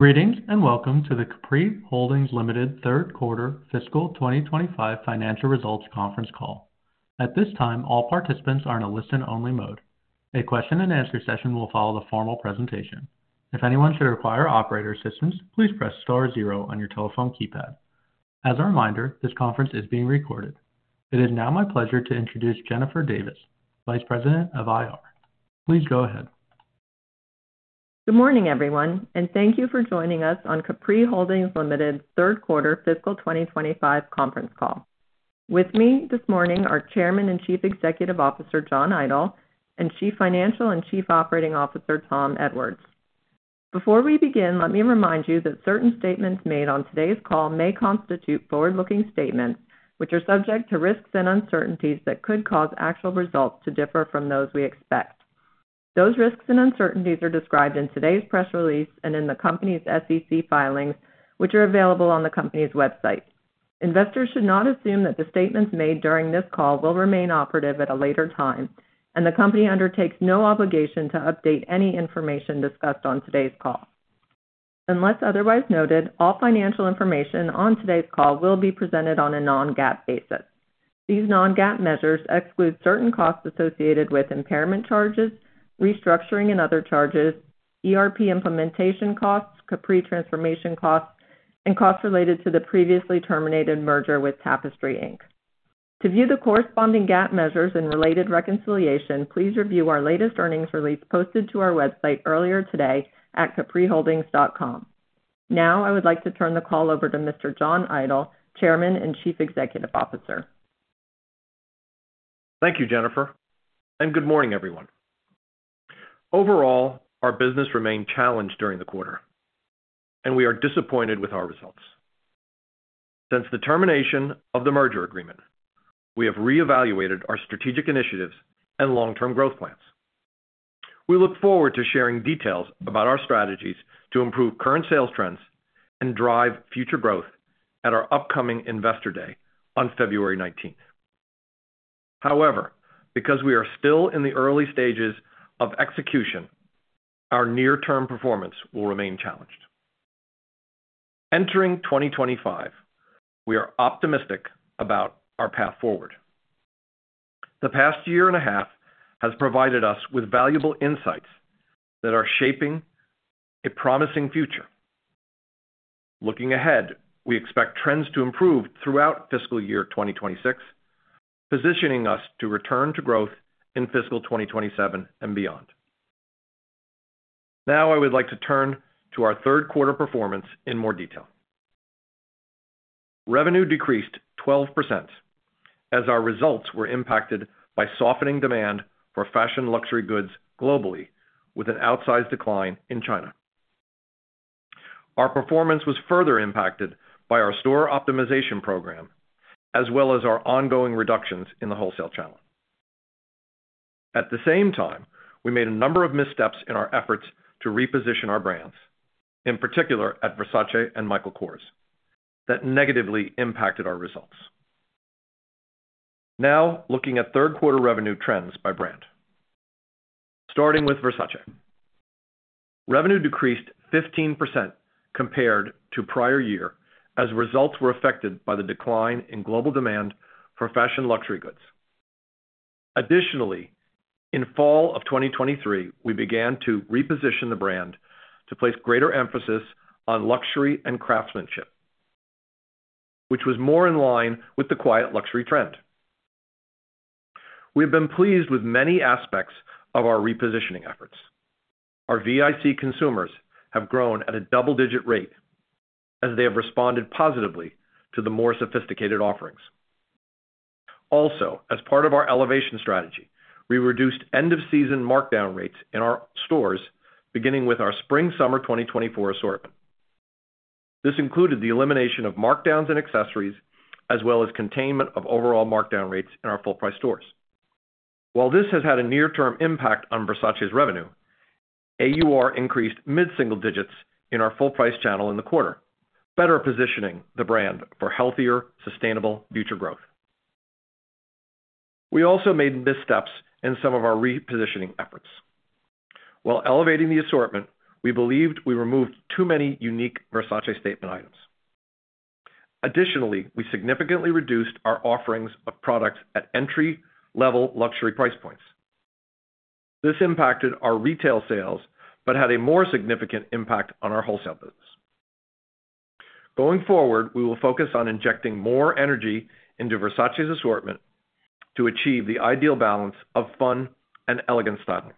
Greetings and welcome to the Capri Holdings Limited third quarter fiscal 2025 financial results conference call. At this time, all participants are in a listen-only mode. A question-and-answer session will follow the formal presentation. If anyone should require operator assistance, please press star zero on your telephone keypad. As a reminder, this conference is being recorded. It is now my pleasure to introduce Jennifer Davis, Vice President of IR. Please go ahead. Good morning, everyone, and thank you for joining us on Capri Holdings Limited third quarter fiscal 2025 conference call. With me this morning are Chairman and Chief Executive Officer John Idol and Chief Financial and Chief Operating Officer Tom Edwards. Before we begin, let me remind you that certain statements made on today's call may constitute forward-looking statements which are subject to risks and uncertainties that could cause actual results to differ from those we expect. Those risks and uncertainties are described in today's press release and in the company's SEC filings, which are available on the company's website. Investors should not assume that the statements made during this call will remain operative at a later time, and the company undertakes no obligation to update any information discussed on today's call. Unless otherwise noted, all financial information on today's call will be presented on a non-GAAP basis. These non-GAAP measures exclude certain costs associated with impairment charges, restructuring and other charges, ERP implementation costs, Capri transformation costs, and costs related to the previously terminated merger with Tapestry Inc. To view the corresponding GAAP measures and related reconciliation, please review our latest earnings release posted to our website earlier today at capriholdings.com. Now, I would like to turn the call over to Mr. John Idol, Chairman and Chief Executive Officer. Thank you, Jennifer, and good morning, everyone. Overall, our business remained challenged during the quarter, and we are disappointed with our results. Since the termination of the merger agreement, we have reevaluated our strategic initiatives and long-term growth plans. We look forward to sharing details about our strategies to improve current sales trends and drive future growth at our upcoming Investor Day on February 19th. However, because we are still in the early stages of execution, our near-term performance will remain challenged. Entering 2025, we are optimistic about our path forward. The past year and a half has provided us with valuable insights that are shaping a promising future. Looking ahead, we expect trends to improve throughout fiscal year 2026, positioning us to return to growth in fiscal 2027 and beyond. Now, I would like to turn to our third quarter performance in more detail. Revenue decreased 12% as our results were impacted by softening demand for fashion luxury goods globally, with an outsized decline in China. Our performance was further impacted by our store optimization program, as well as our ongoing reductions in the wholesale channel. At the same time, we made a number of missteps in our efforts to reposition our brands, in particular at Versace and Michael Kors, that negatively impacted our results. Now, looking at third quarter revenue trends by brand, starting with Versace, revenue decreased 15% compared to prior year as results were affected by the decline in global demand for fashion luxury goods. Additionally, in fall of 2023, we began to reposition the brand to place greater emphasis on luxury and craftsmanship, which was more in line with the quiet luxury trend. We have been pleased with many aspects of our repositioning efforts. Our VIC consumers have grown at a double-digit rate as they have responded positively to the more sophisticated offerings. Also, as part of our elevation strategy, we reduced end-of-season markdown rates in our stores, beginning with our spring/summer 2024 assortment. This included the elimination of markdowns in accessories, as well as containment of overall markdown rates in our full-price stores. While this has had a near-term impact on Versace's revenue, AUR increased mid-single digits in our full-price channel in the quarter, better positioning the brand for healthier, sustainable future growth. We also made missteps in some of our repositioning efforts. While elevating the assortment, we believed we removed too many unique Versace statement items. Additionally, we significantly reduced our offerings of products at entry-level luxury price points. This impacted our retail sales but had a more significant impact on our wholesale business. Going forward, we will focus on injecting more energy into Versace's assortment to achieve the ideal balance of fun and elegance style.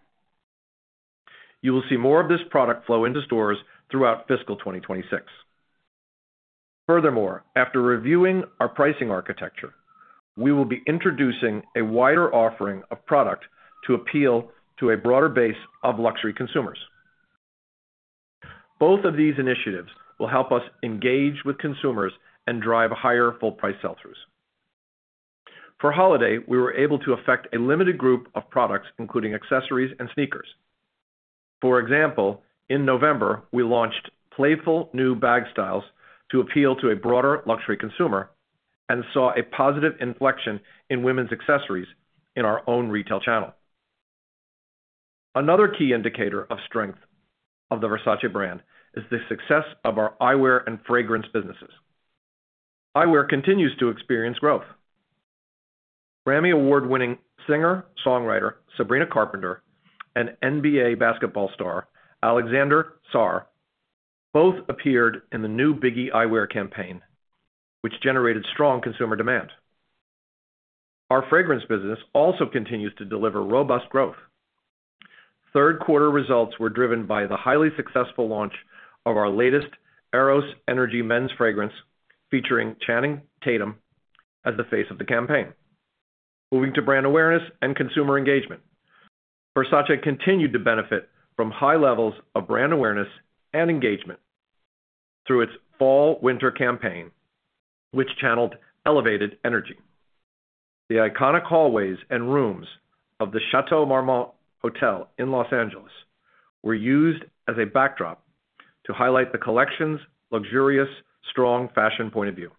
You will see more of this product flow into stores throughout fiscal 2026. Furthermore, after reviewing our pricing architecture, we will be introducing a wider offering of product to appeal to a broader base of luxury consumers. Both of these initiatives will help us engage with consumers and drive higher full-price sell-throughs. For holiday, we were able to affect a limited group of products, including accessories and sneakers. For example, in November, we launched playful new bag styles to appeal to a broader luxury consumer and saw a positive inflection in women's accessories in our own retail channel. Another key indicator of strength of the Versace brand is the success of our eyewear and fragrance businesses. Eyewear continues to experience growth. Grammy Award-winning singer-songwriter Sabrina Carpenter and NBA basketball star Alexandre Sarr both appeared in the new Biggie eyewear campaign, which generated strong consumer demand. Our fragrance business also continues to deliver robust growth. Third quarter results were driven by the highly successful launch of our latest Eros Energy men's fragrance, featuring Channing Tatum as the face of the campaign. Moving to brand awareness and consumer engagement, Versace continued to benefit from high levels of brand awareness and engagement through its fall/winter campaign, which channeled elevated energy. The iconic hallways and rooms of the Château Marmont Hotel in Los Angeles were used as a backdrop to highlight the collection's luxurious, strong fashion point of view.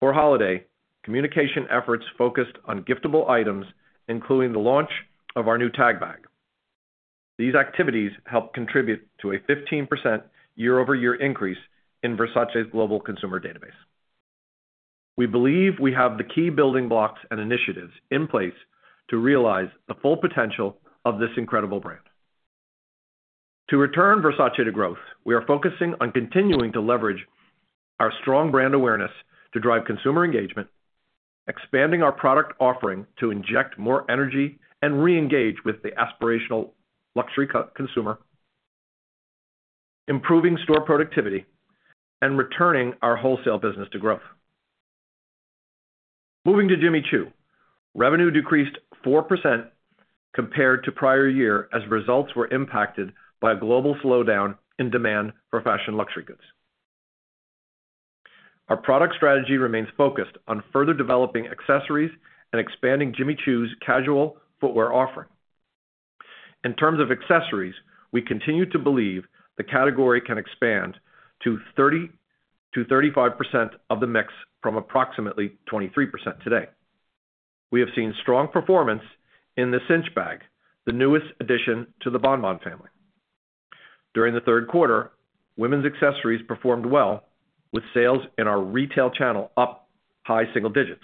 For holiday, communication efforts focused on giftable items, including the launch of our new Tag bag. These activities helped contribute to a 15% year-over-year increase in Versace's global consumer database. We believe we have the key building blocks and initiatives in place to realize the full potential of this incredible brand. To return Versace to growth, we are focusing on continuing to leverage our strong brand awareness to drive consumer engagement, expanding our product offering to inject more energy and re-engage with the aspirational luxury consumer, improving store productivity, and returning our wholesale business to growth. Moving to Jimmy Choo, revenue decreased 4% compared to prior year as results were impacted by a global slowdown in demand for fashion luxury goods. Our product strategy remains focused on further developing accessories and expanding Jimmy Choo's casual footwear offering. In terms of accessories, we continue to believe the category can expand to 30%-35% of the mix from approximately 23% today. We have seen strong performance in the Cinch bag, the newest addition to the Bon Bon family. During the third quarter, women's accessories performed well, with sales in our retail channel up high single digits.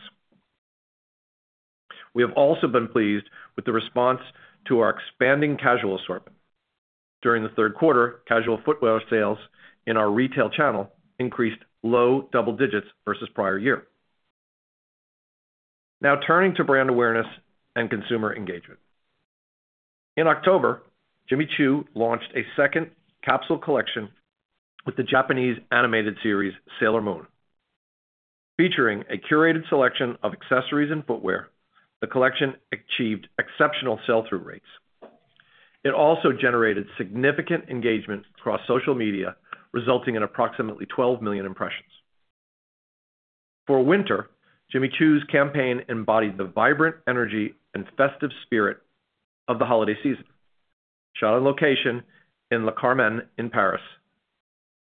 We have also been pleased with the response to our expanding casual assortment. During the third quarter, casual footwear sales in our retail channel increased low double digits versus prior year. Now, turning to brand awareness and consumer engagement. In October, Jimmy Choo launched a second capsule collection with the Japanese animated series Sailor Moon. Featuring a curated selection of accessories and footwear, the collection achieved exceptional sell-through rates. It also generated significant engagement across social media, resulting in approximately 12 million impressions. For winter, Jimmy Choo's campaign embodied the vibrant energy and festive spirit of the holiday season. Shot on location in Le Carmen in Paris,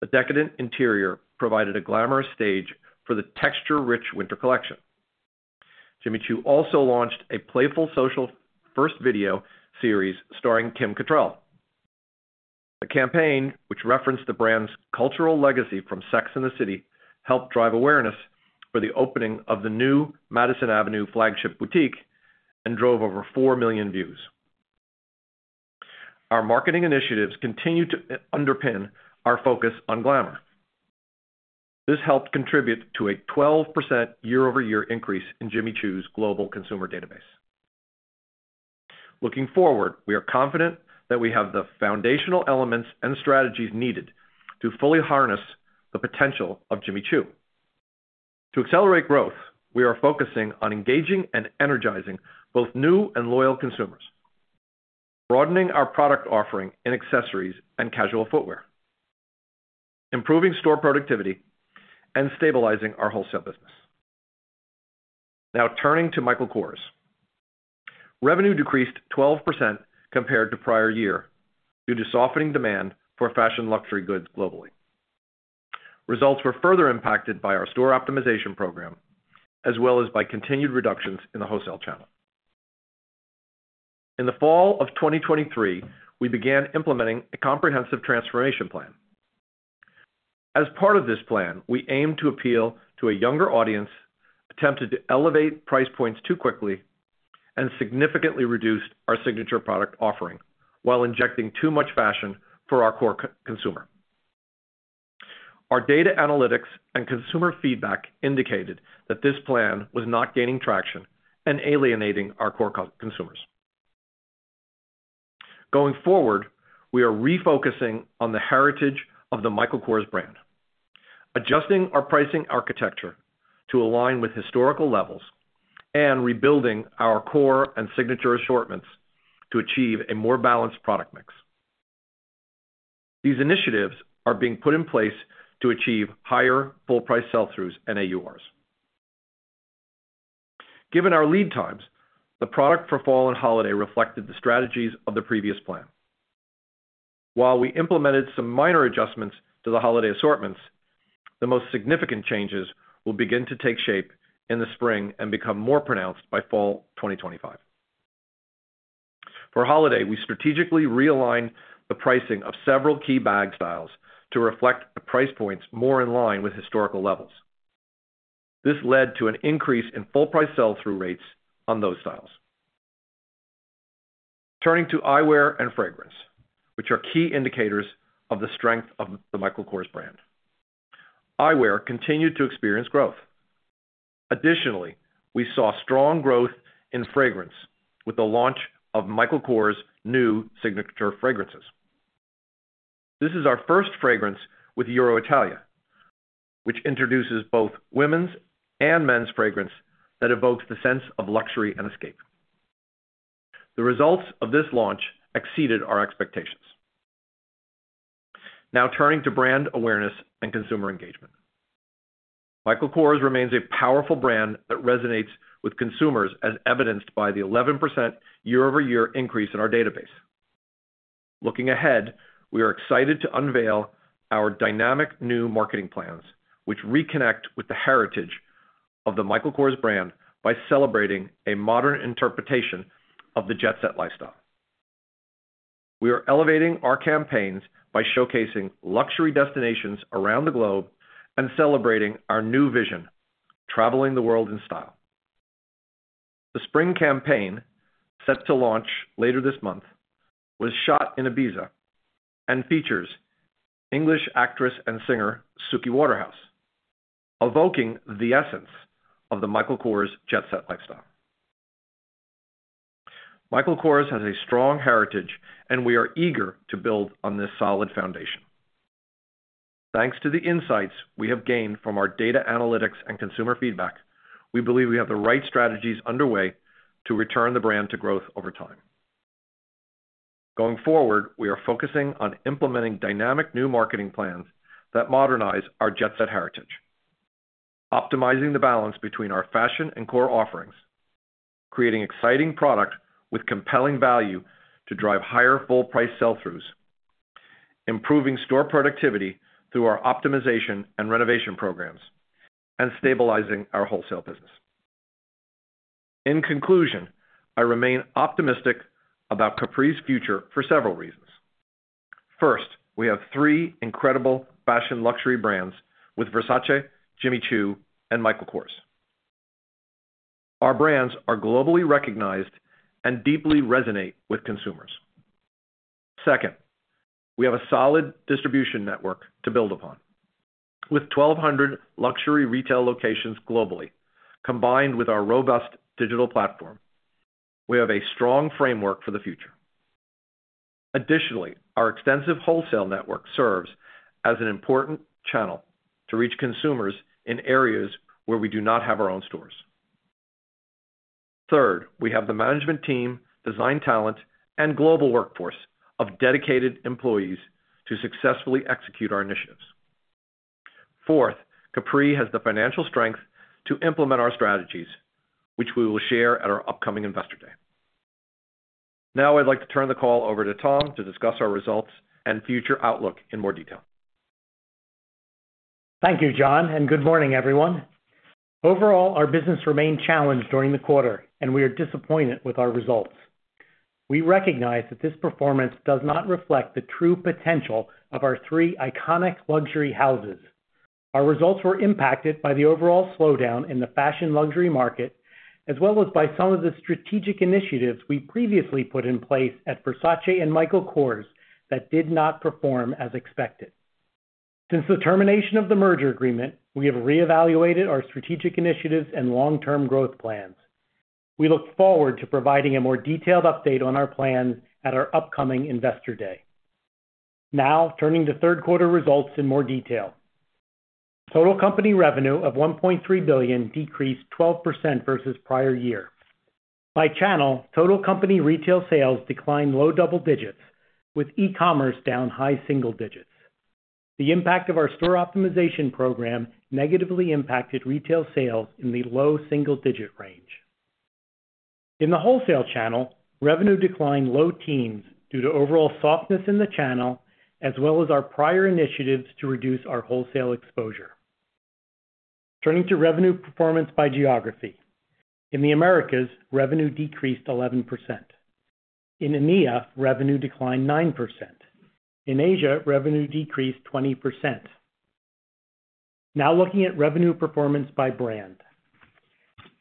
the decadent interior provided a glamorous stage for the texture-rich winter collection. Jimmy Choo also launched a playful social first video series starring Kim Cattrall. The campaign, which referenced the brand's cultural legacy from Sex and the City, helped drive awareness for the opening of the new Madison Avenue flagship boutique and drove over four million views. Our marketing initiatives continue to underpin our focus on glamour. This helped contribute to a 12% year-over-year increase in Jimmy Choo's global consumer database. Looking forward, we are confident that we have the foundational elements and strategies needed to fully harness the potential of Jimmy Choo. To accelerate growth, we are focusing on engaging and energizing both new and loyal consumers, broadening our product offering in accessories and casual footwear, improving store productivity, and stabilizing our wholesale business. Now, turning to Michael Kors, revenue decreased 12% compared to prior year due to softening demand for fashion luxury goods globally. Results were further impacted by our store optimization program, as well as by continued reductions in the wholesale channel. In the fall of 2023, we began implementing a comprehensive transformation plan. As part of this plan, we aimed to appeal to a younger audience, attempted to elevate price points too quickly, and significantly reduced our Signature product offering while injecting too much fashion for our core consumer. Our data analytics and consumer feedback indicated that this plan was not gaining traction and alienating our core consumers. Going forward, we are refocusing on the heritage of the Michael Kors brand, adjusting our pricing architecture to align with historical levels, and rebuilding our core and Signature assortments to achieve a more balanced product mix. These initiatives are being put in place to achieve higher full-price sell-throughs and AURs. Given our lead times, the product for fall and holiday reflected the strategies of the previous plan. While we implemented some minor adjustments to the holiday assortments, the most significant changes will begin to take shape in the spring and become more pronounced by fall 2025. For holiday, we strategically realigned the pricing of several key bag styles to reflect the price points more in line with historical levels. This led to an increase in full-price sell-through rates on those styles. Turning to eyewear and fragrance, which are key indicators of the strength of the Michael Kors brand, eyewear continued to experience growth. Additionally, we saw strong growth in fragrance with the launch of Michael Kors' new Signature fragrances. This is our first fragrance with Euroitalia, which introduces both women's and men's fragrance that evokes the sense of luxury and escape. The results of this launch exceeded our expectations. Now, turning to brand awareness and consumer engagement, Michael Kors remains a powerful brand that resonates with consumers, as evidenced by the 11% year-over-year increase in our database. Looking ahead, we are excited to unveil our dynamic new marketing plans, which reconnect with the heritage of the Michael Kors brand by celebrating a modern interpretation of the jet-set lifestyle. We are elevating our campaigns by showcasing luxury destinations around the globe and celebrating our new vision: traveling the world in style. The spring campaign, set to launch later this month, was shot in Ibiza and features English actress and singer Suki Waterhouse, evoking the essence of the Michael Kors jet-set lifestyle. Michael Kors has a strong heritage, and we are eager to build on this solid foundation. Thanks to the insights we have gained from our data analytics and consumer feedback, we believe we have the right strategies underway to return the brand to growth over time. Going forward, we are focusing on implementing dynamic new marketing plans that modernize our jet-set heritage, optimizing the balance between our fashion and core offerings, creating exciting product with compelling value to drive higher full-price sell-throughs, improving store productivity through our optimization and renovation programs, and stabilizing our wholesale business. In conclusion, I remain optimistic about Capri's future for several reasons. First, we have three incredible fashion luxury brands with Versace, Jimmy Choo, and Michael Kors. Our brands are globally recognized and deeply resonate with consumers. Second, we have a solid distribution network to build upon. With 1,200 luxury retail locations globally, combined with our robust digital platform, we have a strong framework for the future. Additionally, our extensive wholesale network serves as an important channel to reach consumers in areas where we do not have our own stores. Third, we have the management team, design talent, and global workforce of dedicated employees to successfully execute our initiatives. Fourth, Capri has the financial strength to implement our strategies, which we will share at our upcoming investor day. Now, I'd like to turn the call over to Tom to discuss our results and future outlook in more detail. Thank you, John, and good morning, everyone. Overall, our business remained challenged during the quarter, and we are disappointed with our results. We recognize that this performance does not reflect the true potential of our three iconic luxury houses. Our results were impacted by the overall slowdown in the fashion luxury market, as well as by some of the strategic initiatives we previously put in place at Versace and Michael Kors that did not perform as expected. Since the termination of the merger agreement, we have reevaluated our strategic initiatives and long-term growth plans. We look forward to providing a more detailed update on our plans at our upcoming investor day. Now, turning to third quarter results in more detail. Total company revenue of $1.3 billion decreased 12% versus prior year. By channel, total company retail sales declined low double digits, with e-commerce down high single digits. The impact of our store optimization program negatively impacted retail sales in the low single-digit range. In the wholesale channel, revenue declined low teens due to overall softness in the channel, as well as our prior initiatives to reduce our wholesale exposure. Turning to revenue performance by geography. In the Americas, revenue decreased 11%. In EMEA, revenue declined 9%. In Asia, revenue decreased 20%. Now, looking at revenue performance by brand.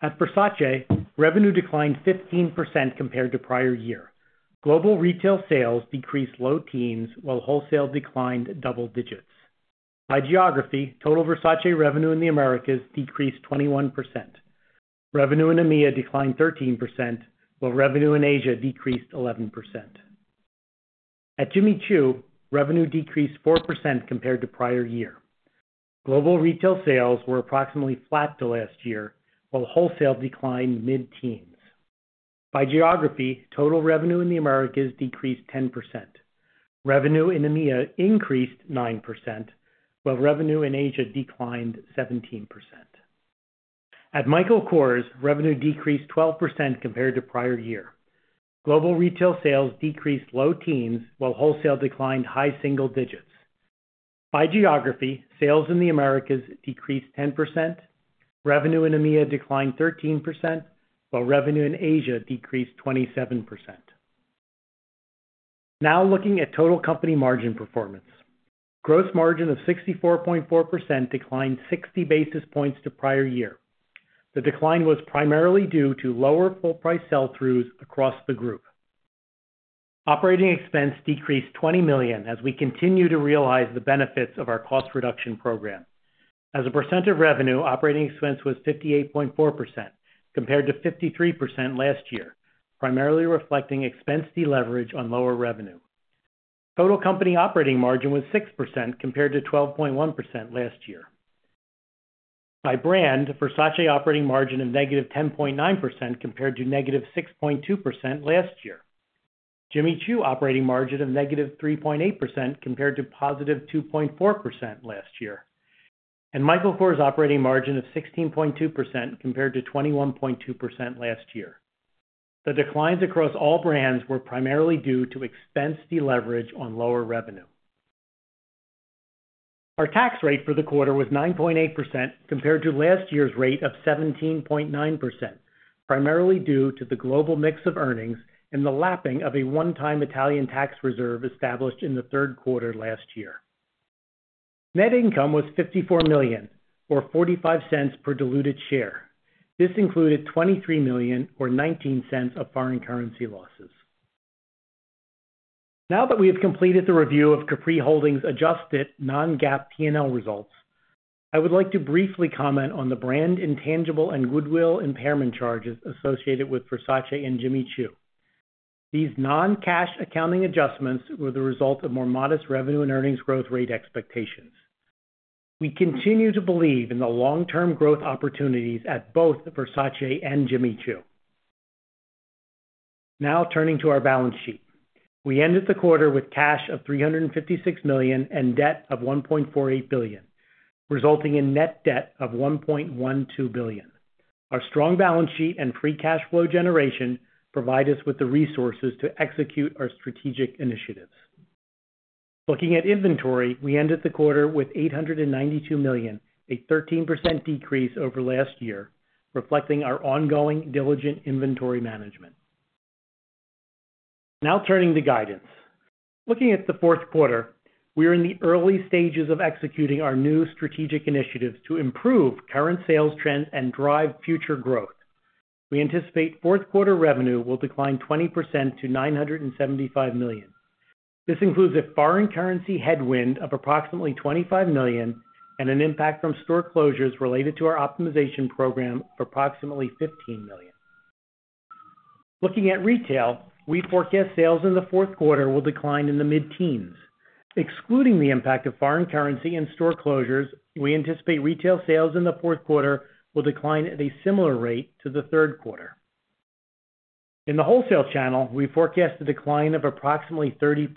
At Versace, revenue declined 15% compared to prior year. Global retail sales decreased low teens, while wholesale declined double digits. By geography, total Versace revenue in the Americas decreased 21%. Revenue in EMEA declined 13%, while revenue in Asia decreased 11%. At Jimmy Choo, revenue decreased 4% compared to prior year. Global retail sales were approximately flat to last year, while wholesale declined mid-teens. By geography, total revenue in the Americas decreased 10%. Revenue in EMEA increased 9%, while revenue in Asia declined 17%. At Michael Kors, revenue decreased 12% compared to prior year. Global retail sales decreased low teens, while wholesale declined high single digits. By geography, sales in the Americas decreased 10%. Revenue in EMEA declined 13%, while revenue in Asia decreased 27%. Now, looking at total company margin performance. Gross margin of 64.4% declined 60 basis points to prior year. The decline was primarily due to lower full-price sell-throughs across the group. Operating expense decreased $20 million as we continue to realize the benefits of our cost reduction program. As a percent of revenue, operating expense was 58.4% compared to 53% last year, primarily reflecting expense deleverage on lower revenue. Total company operating margin was 6% compared to 12.1% last year. By brand, Versace operating margin of negative 10.9% compared to negative 6.2% last year. Jimmy Choo operating margin of negative 3.8% compared to positive 2.4% last year. And Michael Kors operating margin of 16.2% compared to 21.2% last year. The declines across all brands were primarily due to expense deleverage on lower revenue. Our tax rate for the quarter was 9.8% compared to last year's rate of 17.9%, primarily due to the global mix of earnings and the lapping of a one-time Italian tax reserve established in the third quarter last year. Net income was $54 million, or $0.45 per diluted share. This included $23 million, or $0.19, of foreign currency losses. Now that we have completed the review of Capri Holdings' adjusted non-GAAP P&L results, I would like to briefly comment on the brand intangible and goodwill impairment charges associated with Versace and Jimmy Choo. These non-cash accounting adjustments were the result of more modest revenue and earnings growth rate expectations. We continue to believe in the long-term growth opportunities at both Versace and Jimmy Choo. Now, turning to our balance sheet, we ended the quarter with cash of $356 million and debt of $1.48 billion, resulting in net debt of $1.12 billion. Our strong balance sheet and free cash flow generation provide us with the resources to execute our strategic initiatives. Looking at inventory, we ended the quarter with $892 million, a 13% decrease over last year, reflecting our ongoing diligent inventory management. Now, turning to guidance. Looking at the fourth quarter, we are in the early stages of executing our new strategic initiatives to improve current sales trends and drive future growth. We anticipate fourth quarter revenue will decline 20% to $975 million. This includes a foreign currency headwind of approximately $25 million and an impact from store closures related to our optimization program of approximately $15 million. Looking at retail, we forecast sales in the fourth quarter will decline in the mid-teens. Excluding the impact of foreign currency and store closures, we anticipate retail sales in the fourth quarter will decline at a similar rate to the third quarter. In the wholesale channel, we forecast a decline of approximately 30%.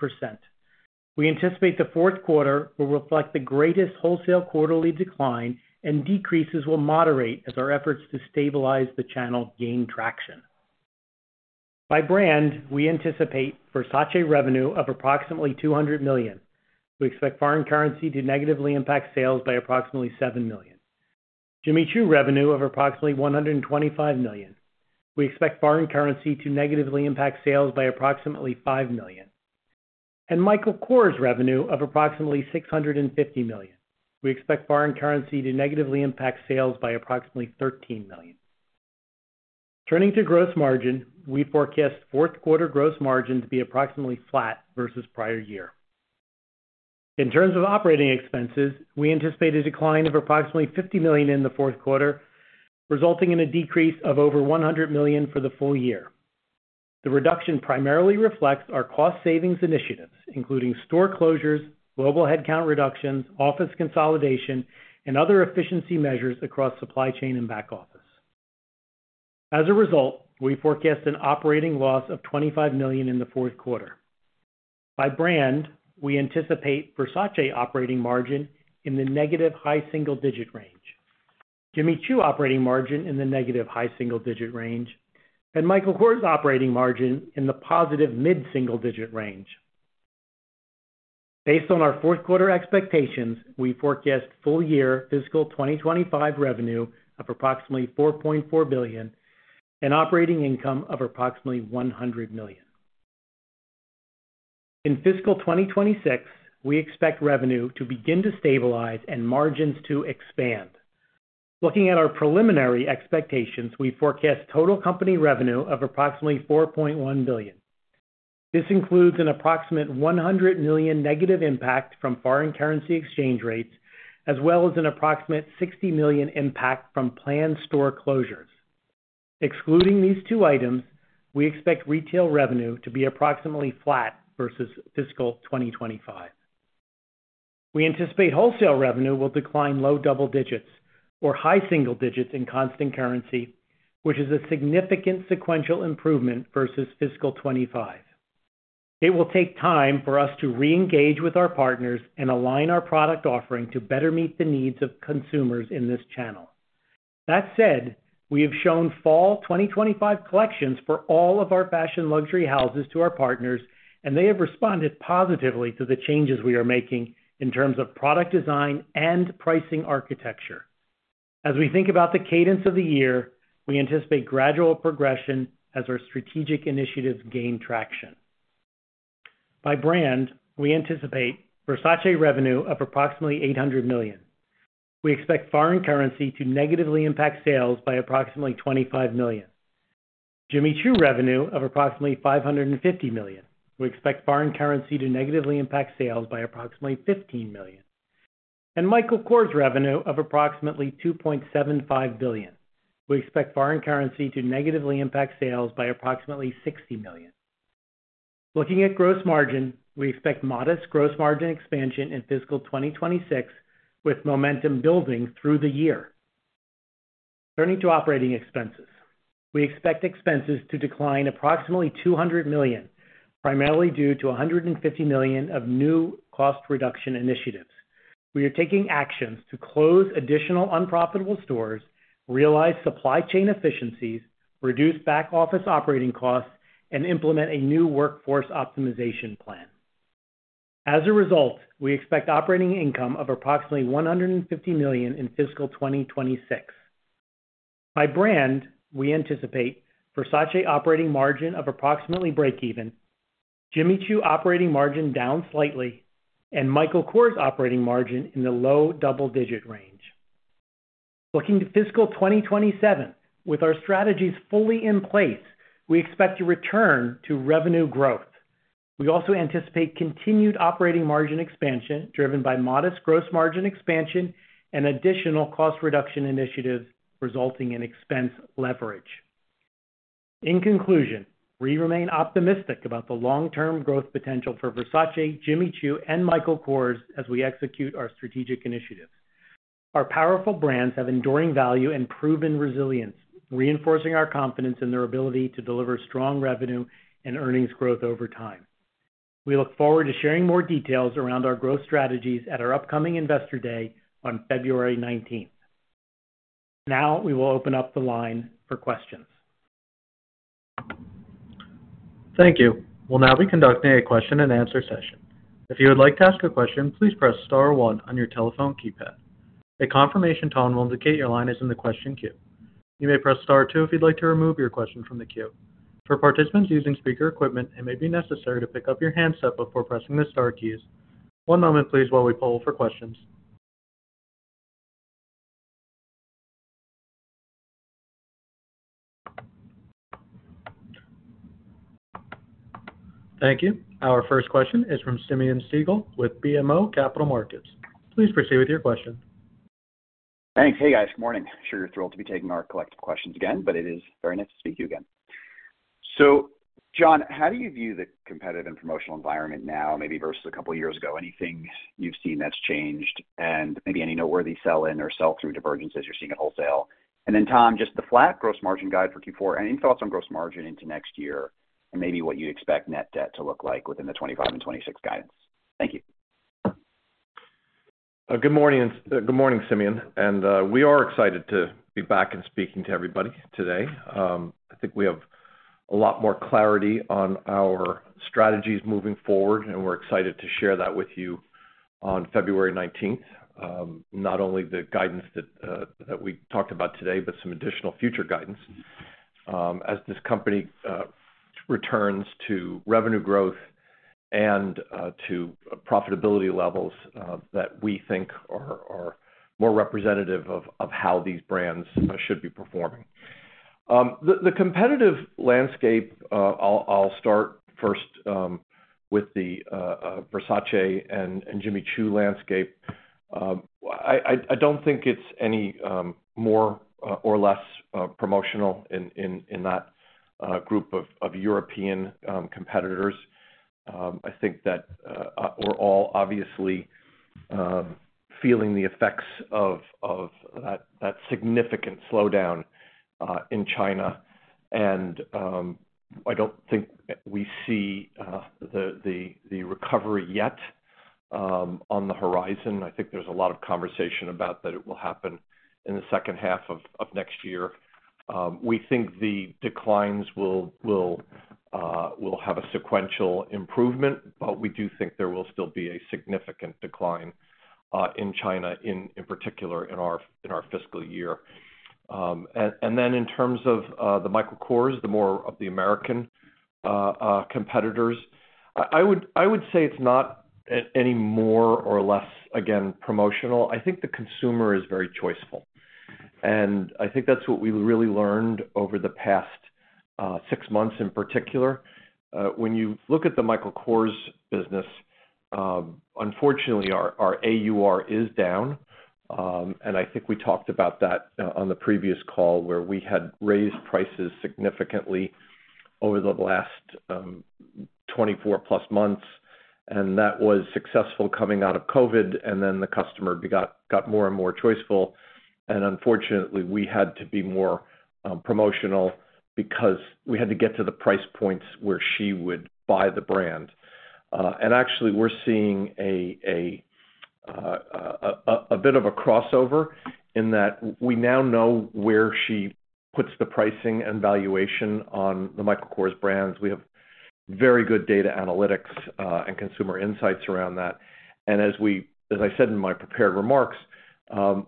We anticipate the fourth quarter will reflect the greatest wholesale quarterly decline, and decreases will moderate as our efforts to stabilize the channel gain traction. By brand, we anticipate Versace revenue of approximately $200 million. We expect foreign currency to negatively impact sales by approximately $7 million. Jimmy Choo revenue of approximately $125 million. We expect foreign currency to negatively impact sales by approximately $5 million. And Michael Kors revenue of approximately $650 million. We expect foreign currency to negatively impact sales by approximately $13 million. Turning to gross margin, we forecast fourth quarter gross margin to be approximately flat versus prior year. In terms of operating expenses, we anticipate a decline of approximately $50 million in the fourth quarter, resulting in a decrease of over $100 million for the full year. The reduction primarily reflects our cost savings initiatives, including store closures, global headcount reductions, office consolidation, and other efficiency measures across supply chain and back office. As a result, we forecast an operating loss of $25 million in the fourth quarter. By brand, we anticipate Versace operating margin in the negative high single-digit range, Jimmy Choo operating margin in the negative high single-digit range, and Michael Kors operating margin in the positive mid-single-digit range. Based on our fourth quarter expectations, we forecast full year fiscal 2025 revenue of approximately $4.4 billion and operating income of approximately $100 million. In fiscal 2026, we expect revenue to begin to stabilize and margins to expand. Looking at our preliminary expectations, we forecast total company revenue of approximately $4.1 billion. This includes an approximate $100 million negative impact from foreign currency exchange rates, as well as an approximate $60 million impact from planned store closures. Excluding these two items, we expect retail revenue to be approximately flat versus fiscal 2025. We anticipate wholesale revenue will decline low double digits or high single digits in constant currency, which is a significant sequential improvement versus fiscal 2025. It will take time for us to reengage with our partners and align our product offering to better meet the needs of consumers in this channel. That said, we have shown fall 2025 collections for all of our fashion luxury houses to our partners, and they have responded positively to the changes we are making in terms of product design and pricing architecture. As we think about the cadence of the year, we anticipate gradual progression as our strategic initiatives gain traction. By brand, we anticipate Versace revenue of approximately $800 million. We expect foreign currency to negatively impact sales by approximately $25 million. Jimmy Choo revenue of approximately $550 million. We expect foreign currency to negatively impact sales by approximately $15 million, and Michael Kors revenue of approximately $2.75 billion. We expect foreign currency to negatively impact sales by approximately $60 million. Looking at gross margin, we expect modest gross margin expansion in fiscal 2026, with momentum building through the year. Turning to operating expenses, we expect expenses to decline approximately $200 million, primarily due to $150 million of new cost reduction initiatives. We are taking actions to close additional unprofitable stores, realize supply chain efficiencies, reduce back office operating costs, and implement a new workforce optimization plan. As a result, we expect operating income of approximately $150 million in fiscal 2026. By brand, we anticipate Versace operating margin of approximately break-even, Jimmy Choo operating margin down slightly, and Michael Kors operating margin in the low double-digit range. Looking to fiscal 2027, with our strategies fully in place, we expect to return to revenue growth. We also anticipate continued operating margin expansion driven by modest gross margin expansion and additional cost reduction initiatives resulting in expense leverage. In conclusion, we remain optimistic about the long-term growth potential for Versace, Jimmy Choo, and Michael Kors as we execute our strategic initiatives. Our powerful brands have enduring value and proven resilience, reinforcing our confidence in their ability to deliver strong revenue and earnings growth over time. We look forward to sharing more details around our growth strategies at our upcoming investor day on February 19th. Now, we will open up the line for questions. Thank you. We'll now be conducting a question-and-answer session. If you would like to ask a question, please press Star 1 on your telephone keypad. A confirmation tone will indicate your line is in the question queue. You may press Star 2 if you'd like to remove your question from the queue. For participants using speaker equipment, it may be necessary to pick up your handset before pressing the Star keys. One moment, please, while we poll for questions. Thank you. Our first question is from Simeon Siegel with BMO Capital Markets. Please proceed with your question. Thanks. Hey, guys. Good morning. Sure, you're thrilled to be taking our collective questions again, but it is very nice to speak to you again. So, John, how do you view the competitive and promotional environment now, maybe versus a couple of years ago? Anything you've seen that's changed and maybe any noteworthy sell-in or sell-through divergences you're seeing at wholesale? And then, Tom, just the flat gross margin guide for Q4 and any thoughts on gross margin into next year and maybe what you expect net debt to look like within the 2025 and 2026 guidance. Thank you. Good morning, Simeon. And we are excited to be back and speaking to everybody today. I think we have a lot more clarity on our strategies moving forward, and we're excited to share that with you on February 19th, not only the guidance that we talked about today, but some additional future guidance as this company returns to revenue growth and to profitability levels that we think are more representative of how these brands should be performing. The competitive landscape, I'll start first with the Versace and Jimmy Choo landscape. I don't think it's any more or less promotional in that group of European competitors. I think that we're all obviously feeling the effects of that significant slowdown in China. And I don't think we see the recovery yet on the horizon. I think there's a lot of conversation about that it will happen in the second half of next year. We think the declines will have a sequential improvement, but we do think there will still be a significant decline in China, in particular in our fiscal year. And then, in terms of the Michael Kors, the more of the American competitors, I would say it's not any more or less, again, promotional. I think the consumer is very choiceful. And I think that's what we really learned over the past six months in particular. When you look at the Michael Kors business, unfortunately, our AUR is down. And I think we talked about that on the previous call where we had raised prices significantly over the last 24-plus months. And that was successful coming out of COVID, and then the customer got more and more choiceful. And unfortunately, we had to be more promotional because we had to get to the price points where she would buy the brand. And actually, we're seeing a bit of a crossover in that we now know where she puts the pricing and valuation on the Michael Kors brands. We have very good data analytics and consumer insights around that. And as I said in my prepared remarks,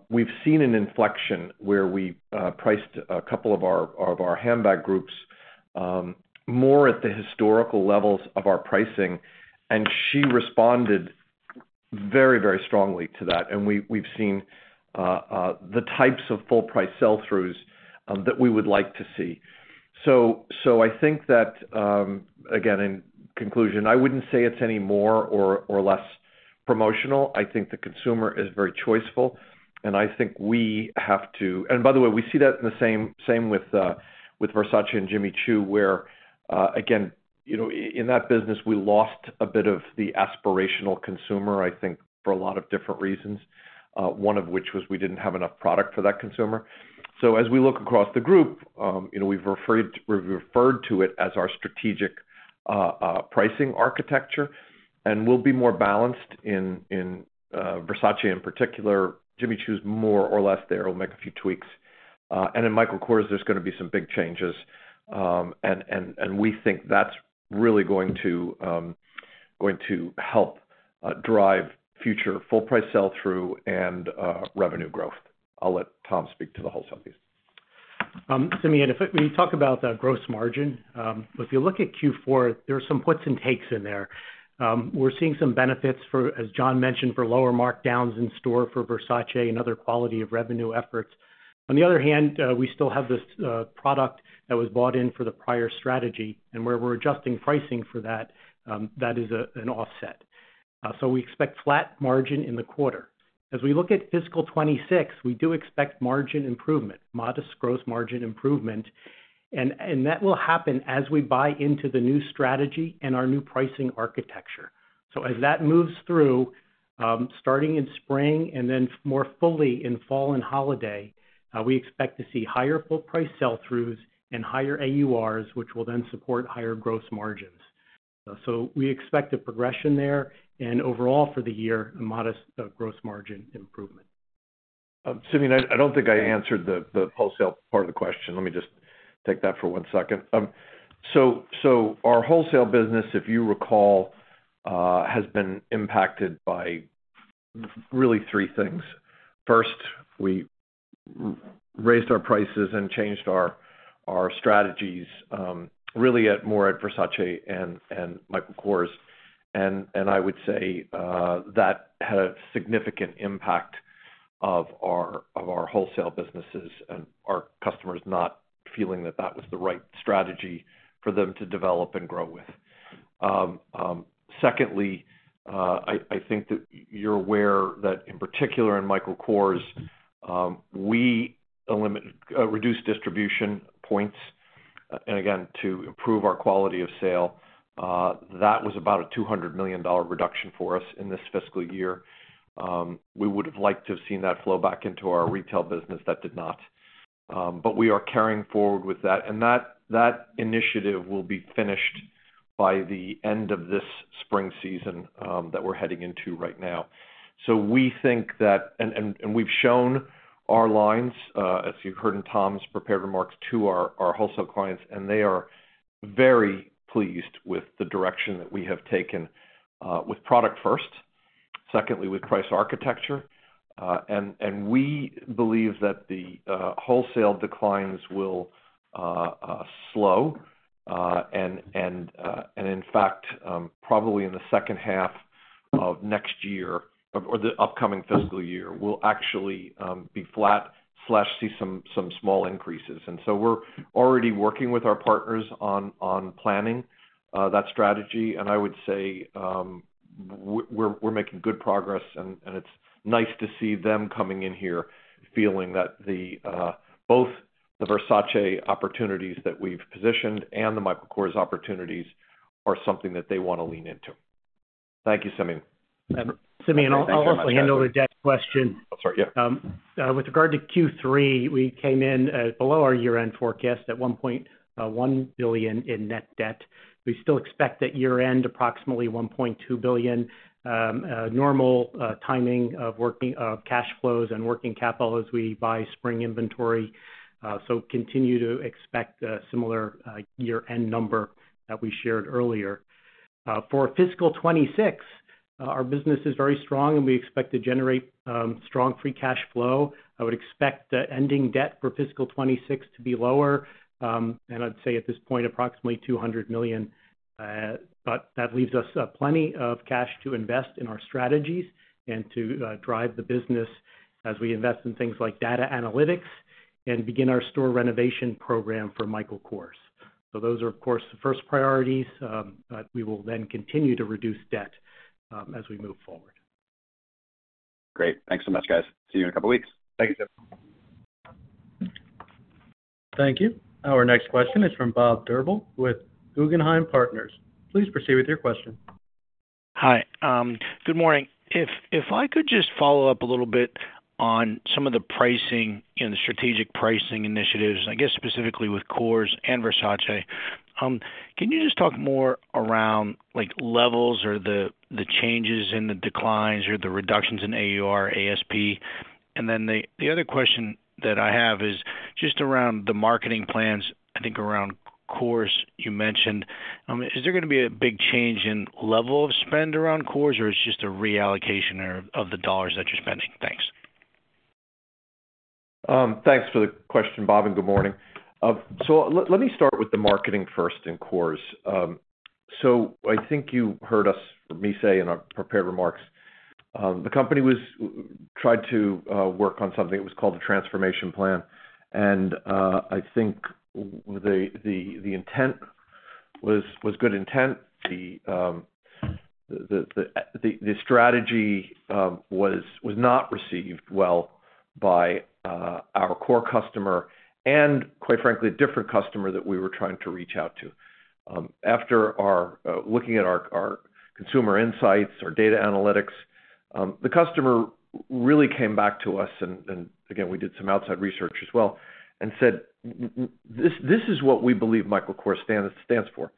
we've seen an inflection where we priced a couple of our handbag groups more at the historical levels of our pricing, and she responded very, very strongly to that. And we've seen the types of full-price sell-throughs that we would like to see. So I think that, again, in conclusion, I wouldn't say it's any more or less promotional. I think the consumer is very choiceful. And I think we have to—and by the way, we see that in the same with Versace and Jimmy Choo, where, again, in that business, we lost a bit of the aspirational consumer, I think, for a lot of different reasons, one of which was we didn't have enough product for that consumer. So as we look across the group, we've referred to it as our strategic pricing architecture. And we'll be more balanced in Versace in particular. Jimmy Choo's more or less there. We'll make a few tweaks. And in Michael Kors, there's going to be some big changes. And we think that's really going to help drive future full-price sell-through and revenue growth. I'll let Tom speak to the wholesale piece. Simeon, if we talk about the gross margin, if you look at Q4, there are some puts and takes in there. We're seeing some benefits, as John mentioned, for lower markdowns in store for Versace and other quality of revenue efforts. On the other hand, we still have this product that was bought in for the prior strategy, and where we're adjusting pricing for that, that is an offset. So we expect flat margin in the quarter. As we look at fiscal 2026, we do expect margin improvement, modest gross margin improvement. And that will happen as we buy into the new strategy and our new pricing architecture. So as that moves through, starting in spring and then more fully in fall and holiday, we expect to see higher full-price sell-throughs and higher AURs, which will then support higher gross margins. So we expect a progression there. And overall, for the year, a modest gross margin improvement. Simeon, I don't think I answered the wholesale part of the question. Let me just take that for one second. So our wholesale business, if you recall, has been impacted by really three things. First, we raised our prices and changed our strategies really more at Versace and Michael Kors. And I would say that had a significant impact on our wholesale businesses and our customers not feeling that that was the right strategy for them to develop and grow with. Secondly, I think that you're aware that, in particular, in Michael Kors, we reduced distribution points. And again, to improve our quality of sale, that was about a $200 million reduction for us in this fiscal year. We would have liked to have seen that flow back into our retail business. That did not. But we are carrying forward with that. And that initiative will be finished by the end of this spring season that we're heading into right now. So we think that, and we've shown our lines, as you've heard in Tom's prepared remarks to our wholesale clients, and they are very pleased with the direction that we have taken with product first, secondly with price architecture. And we believe that the wholesale declines will slow. And in fact, probably in the second half of next year or the upcoming fiscal year, we'll actually be flat/see some small increases. And so we're already working with our partners on planning that strategy. And I would say we're making good progress. And it's nice to see them coming in here feeling that both the Versace opportunities that we've positioned and the Michael Kors opportunities are something that they want to lean into. Thank you, Simeon. Simeon, I'll also handle the debt question. Oh, sorry. Yeah. With regard to Q3, we came in below our year-end forecast at $1.1 billion in net debt. We still expect that year-end approximately $1.2 billion. Normal timing of cash flows and working capital as we buy spring inventory. So continue to expect a similar year-end number that we shared earlier. For fiscal 2026, our business is very strong, and we expect to generate strong free cash flow. I would expect ending debt for fiscal 2026 to be lower. And I'd say at this point, approximately $200 million. But that leaves us plenty of cash to invest in our strategies and to drive the business as we invest in things like data analytics and begin our store renovation program for Michael Kors. So those are, of course, the first priorities. We will then continue to reduce debt as we move forward. Great. Thanks so much, guys. See you in a couple of weeks. Thank you, sir. Thank you. Our next question is from Bob Drbul with Guggenheim Partners. Please proceed with your question. Hi. Good morning. If I could just follow up a little bit on some of the pricing and the strategic pricing initiatives, I guess specifically with Kors and Versace. Can you just talk more around levels or the changes in the declines or the reductions in AUR, ASP? And then the other question that I have is just around the marketing plans. I think around Kors, you mentioned, is there going to be a big change in level of spend around Kors, or it's just a reallocation of the dollars that you're spending? Thanks. Thanks for the question, Bob, and good morning. So let me start with the marketing first in Kors. So I think you heard us, me say in our prepared remarks, the company tried to work on something. It was called the transformation plan. And I think the intent was good intent. The strategy was not received well by our core customer and, quite frankly, a different customer that we were trying to reach out to. After looking at our consumer insights, our data analytics, the customer really came back to us. And again, we did some outside research as well and said, "This is what we believe Michael Kors stands for."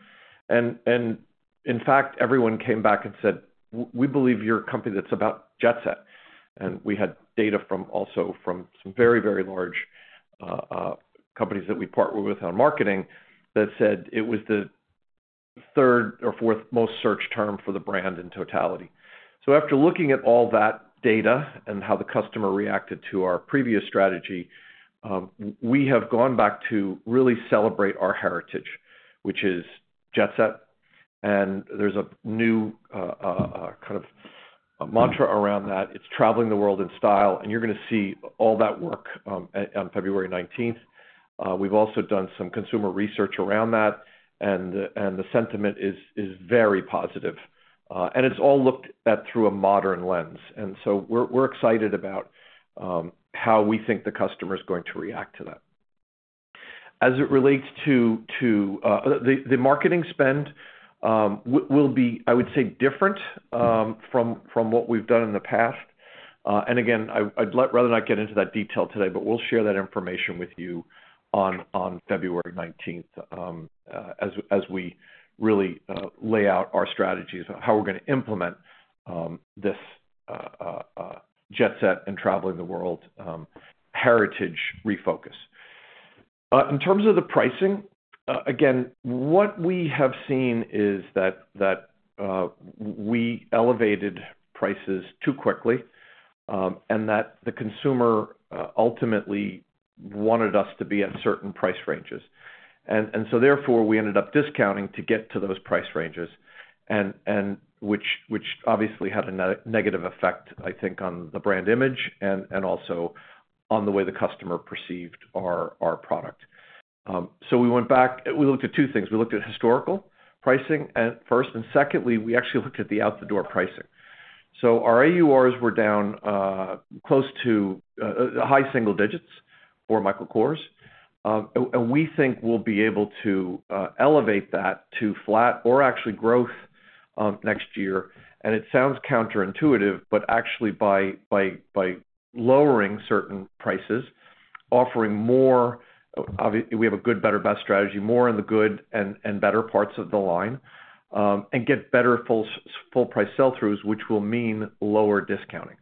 And in fact, everyone came back and said, "We believe you're a company that's about jet-set." And we had data also from some very, very large companies that we partnered with on marketing that said it was the third or fourth most searched term for the brand in totality. So after looking at all that data and how the customer reacted to our previous strategy, we have gone back to really celebrate our heritage, which is jet-set. And there's a new kind of mantra around that. It's traveling the world in style. And you're going to see all that work on February 19th. We've also done some consumer research around that. And the sentiment is very positive. And it's all looked at through a modern lens. And so we're excited about how we think the customer is going to react to that. As it relates to the marketing spend, will be, I would say, different from what we've done in the past. And again, I'd rather not get into that detail today, but we'll share that information with you on February 19th as we really lay out our strategies, how we're going to implement this jet-set and traveling the world heritage refocus. In terms of the pricing, again, what we have seen is that we elevated prices too quickly and that the consumer ultimately wanted us to be at certain price ranges. And so therefore, we ended up discounting to get to those price ranges, which obviously had a negative effect, I think, on the brand image and also on the way the customer perceived our product. So we went back. We looked at two things. We looked at historical pricing first. And secondly, we actually looked at the out-of-the-door pricing. So our AURs were down close to high single digits for Michael Kors. We think we'll be able to elevate that to flat or actually growth next year. It sounds counterintuitive, but actually by lowering certain prices, offering more, we have a good, better, best strategy, more in the good and better parts of the line and get better full-price sell-throughs, which will mean lower discounting.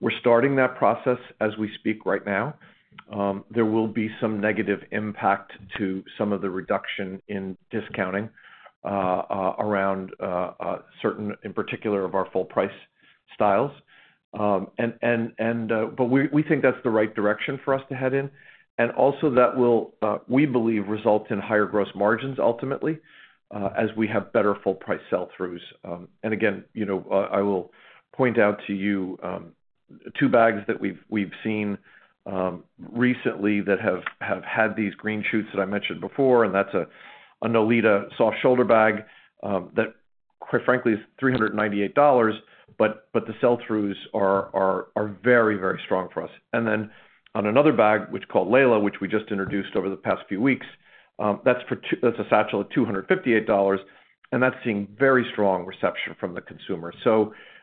We're starting that process as we speak right now. There will be some negative impact to some of the reduction in discounting around certain, in particular, of our full-price styles. But we think that's the right direction for us to head in. And also that will, we believe, result in higher gross margins ultimately as we have better full-price sell-throughs. And again, I will point out to you two bags that we've seen recently that have had these green shoots that I mentioned before. That's a Nolita soft shoulder bag that, quite frankly, is $398, but the sell-throughs are very, very strong for us. Then on another bag, which is called Lila, which we just introduced over the past few weeks, that's a satchel at $258. That's seeing very strong reception from the consumer.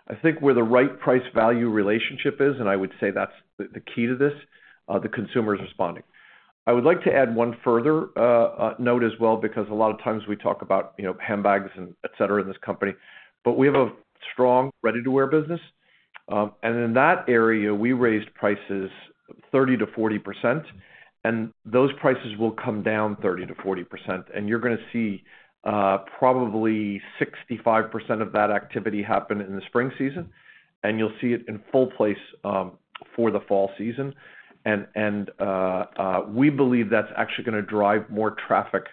I think where the right price-value relationship is, and I would say that's the key to this, the consumer is responding. I would like to add one further note as well because a lot of times we talk about handbags, etc., in this company. We have a strong ready-to-wear business. In that area, we raised prices 30%-40%. Those prices will come down 30%-40%. You're going to see probably 65% of that activity happen in the spring season. And you'll see it in full place for the fall season. And we believe that's actually going to drive more traffic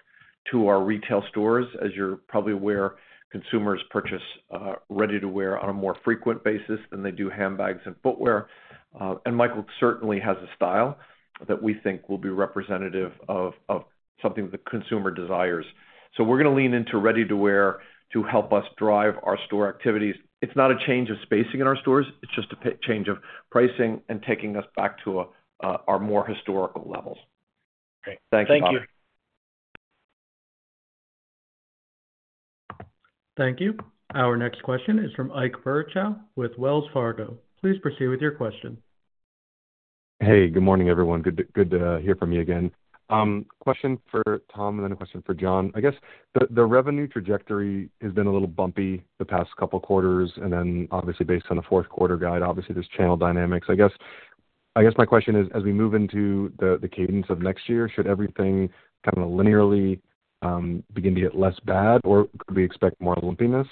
to our retail stores. As you're probably aware, consumers purchase ready-to-wear on a more frequent basis than they do handbags and footwear. And Michael certainly has a style that we think will be representative of something the consumer desires. So we're going to lean into ready-to-wear to help us drive our store activities. It's not a change of spacing in our stores. It's just a change of pricing and taking us back to our more historical levels. Great. Thank you Thank you Bob. Thank you. Our next question is from Ike Boruchow with Wells Fargo. Please proceed with your question. Hey, good morning, everyone. Good to hear from you again. Question for Tom and then a question for John. I guess the revenue trajectory has been a little bumpy the past couple of quarters. And then obviously, based on the fourth quarter guide, obviously, there's channel dynamics. I guess my question is, as we move into the cadence of next year, should everything kind of linearly begin to get less bad, or could we expect more lumpiness?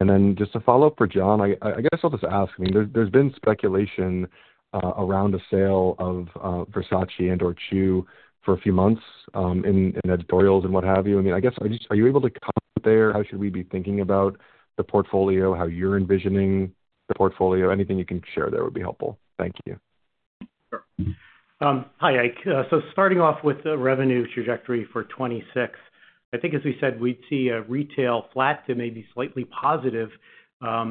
And then just a follow-up for John. I guess I'll just ask. I mean, there's been speculation around the sale of Versace and/or Choo for a few months in editorials and what have you. I mean, I guess, are you able to comment there? How should we be thinking about the portfolio, how you're envisioning the portfolio? Anything you can share there would be helpful. Thank you. Sure. Hi, Ike. Starting off with the revenue trajectory for 2026, I think, as we said, we'd see retail flat to maybe slightly positive,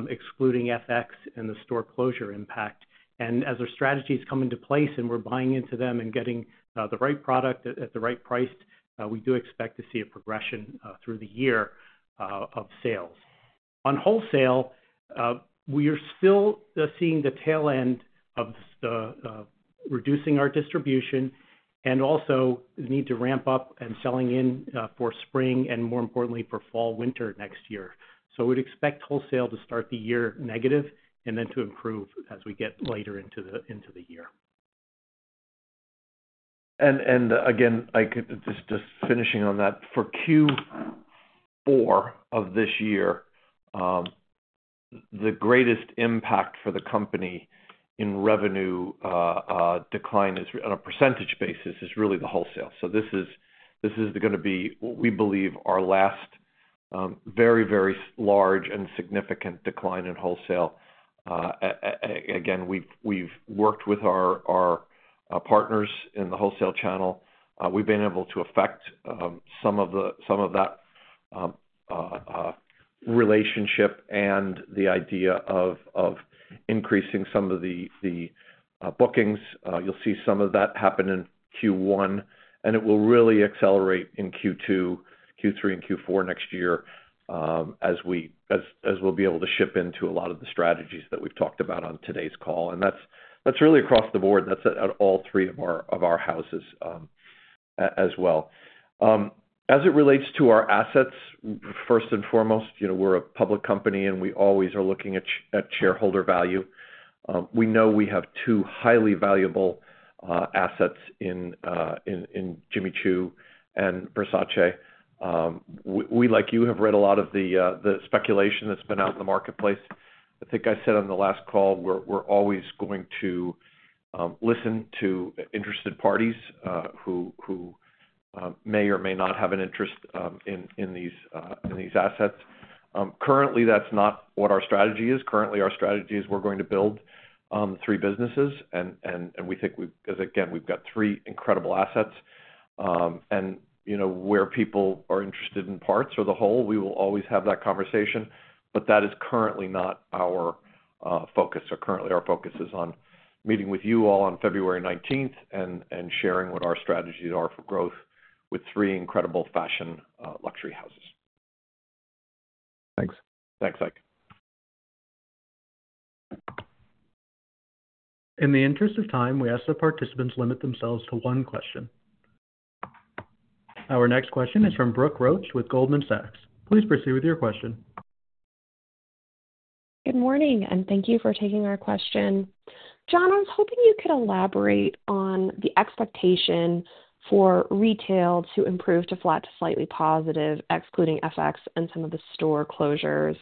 excluding FX and the store closure impact. As our strategies come into place and we're buying into them and getting the right product at the right price, we do expect to see a progression through the year of sales. On wholesale, we are still seeing the tail end of reducing our distribution and also the need to ramp up and selling in for spring and, more importantly, for fall/winter next year. We'd expect wholesale to start the year negative and then to improve as we get later into the year. Again, I could just finish on that. For Q4 of this year, the greatest impact for the company in revenue decline on a percentage basis is really the wholesale. So this is going to be, we believe, our last very, very large and significant decline in wholesale. Again, we've worked with our partners in the wholesale channel. We've been able to affect some of that relationship and the idea of increasing some of the bookings. You'll see some of that happen in Q1. And it will really accelerate in Q2, Q3, and Q4 next year as we'll be able to ship into a lot of the strategies that we've talked about on today's call. And that's really across the board. That's at all three of our houses as well. As it relates to our assets, first and foremost, we're a public company, and we always are looking at shareholder value. We know we have two highly valuable assets in Jimmy Choo and Versace. We, like you, have read a lot of the speculation that's been out in the marketplace. I think I said on the last call, we're always going to listen to interested parties who may or may not have an interest in these assets. Currently, that's not what our strategy is. Currently, our strategy is we're going to build three businesses. And we think, again, we've got three incredible assets. And where people are interested in parts or the whole, we will always have that conversation. But that is currently not our focus. Currently, our focus is on meeting with you all on February 19th and sharing what our strategies are for growth with three incredible fashion luxury houses. Thanks. Thanks, Ike. In the interest of time, we ask the participants limit themselves to one question. Our next question is from Brooke Roach with Goldman Sachs. Please proceed with your question. Good morning. And thank you for taking our question. John, I was hoping you could elaborate on the expectation for retail to improve to flat to slightly positive, excluding FX and some of the store closures.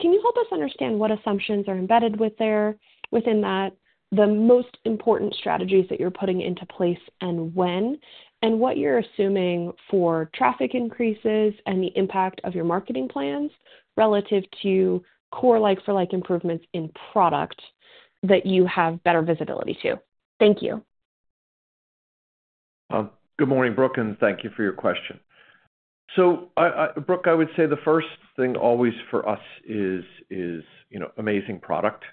Can you help us understand what assumptions are embedded within that, the most important strategies that you're putting into place and when, and what you're assuming for traffic increases and the impact of your marketing plans relative to core like-for-like improvements in product that you have better visibility to? Thank you. Good morning, Brooke. And thank you for your question. So, Brooke, I would say the first thing always for us is amazing product.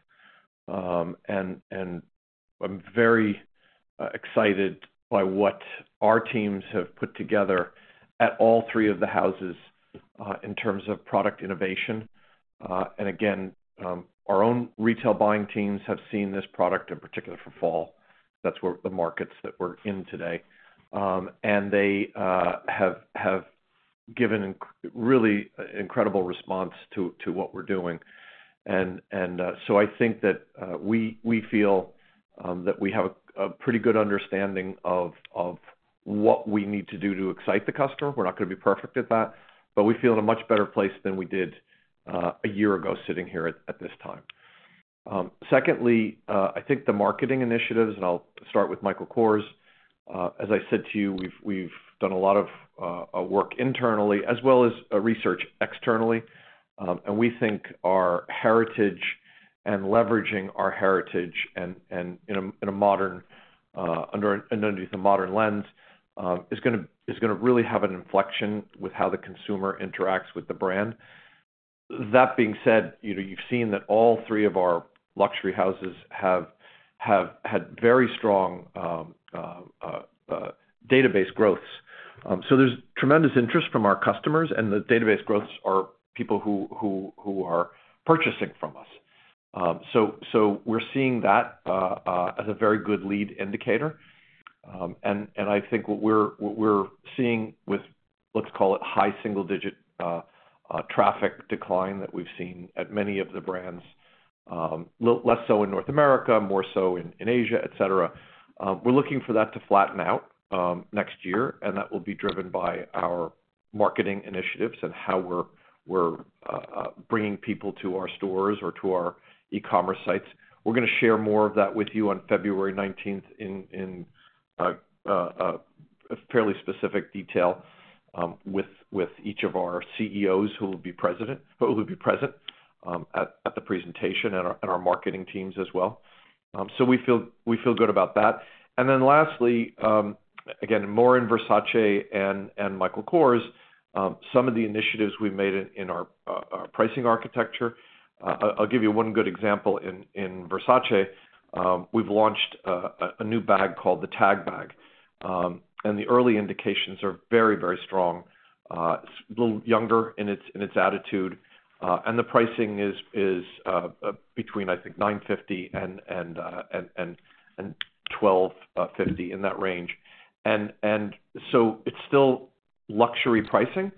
And I'm very excited by what our teams have put together at all three of the houses in terms of product innovation. And again, our own retail buying teams have seen this product in particular for fall. That's the markets that we're in today. They have given really incredible response to what we're doing. So I think that we feel that we have a pretty good understanding of what we need to do to excite the customer. We're not going to be perfect at that. But we feel in a much better place than we did a year ago sitting here at this time. Secondly, I think the marketing initiatives, and I'll start with Michael Kors. As I said to you, we've done a lot of work internally as well as research externally. And we think our heritage and leveraging our heritage in a modern, underneath a modern lens, is going to really have an inflection with how the consumer interacts with the brand. That being said, you've seen that all three of our luxury houses have had very strong database growths. So there's tremendous interest from our customers. And the database growths are people who are purchasing from us. So we're seeing that as a very good lead indicator. And I think what we're seeing with, let's call it, high single-digit traffic decline that we've seen at many of the brands, less so in North America, more so in Asia, etc., we're looking for that to flatten out next year. And that will be driven by our marketing initiatives and how we're bringing people to our stores or to our e-commerce sites. We're going to share more of that with you on February 19th in fairly specific detail with each of our CEOs who will be present at the presentation and our marketing teams as well. So we feel good about that. And then lastly, again, more in Versace and Michael Kors, some of the initiatives we've made in our pricing architecture. I'll give you one good example. In Versace, we've launched a new bag called the Tag bag. And the early indications are very, very strong. It's a little younger in its attitude. And the pricing is between, I think, $950 and $1,250 in that range. And so it's still luxury pricing,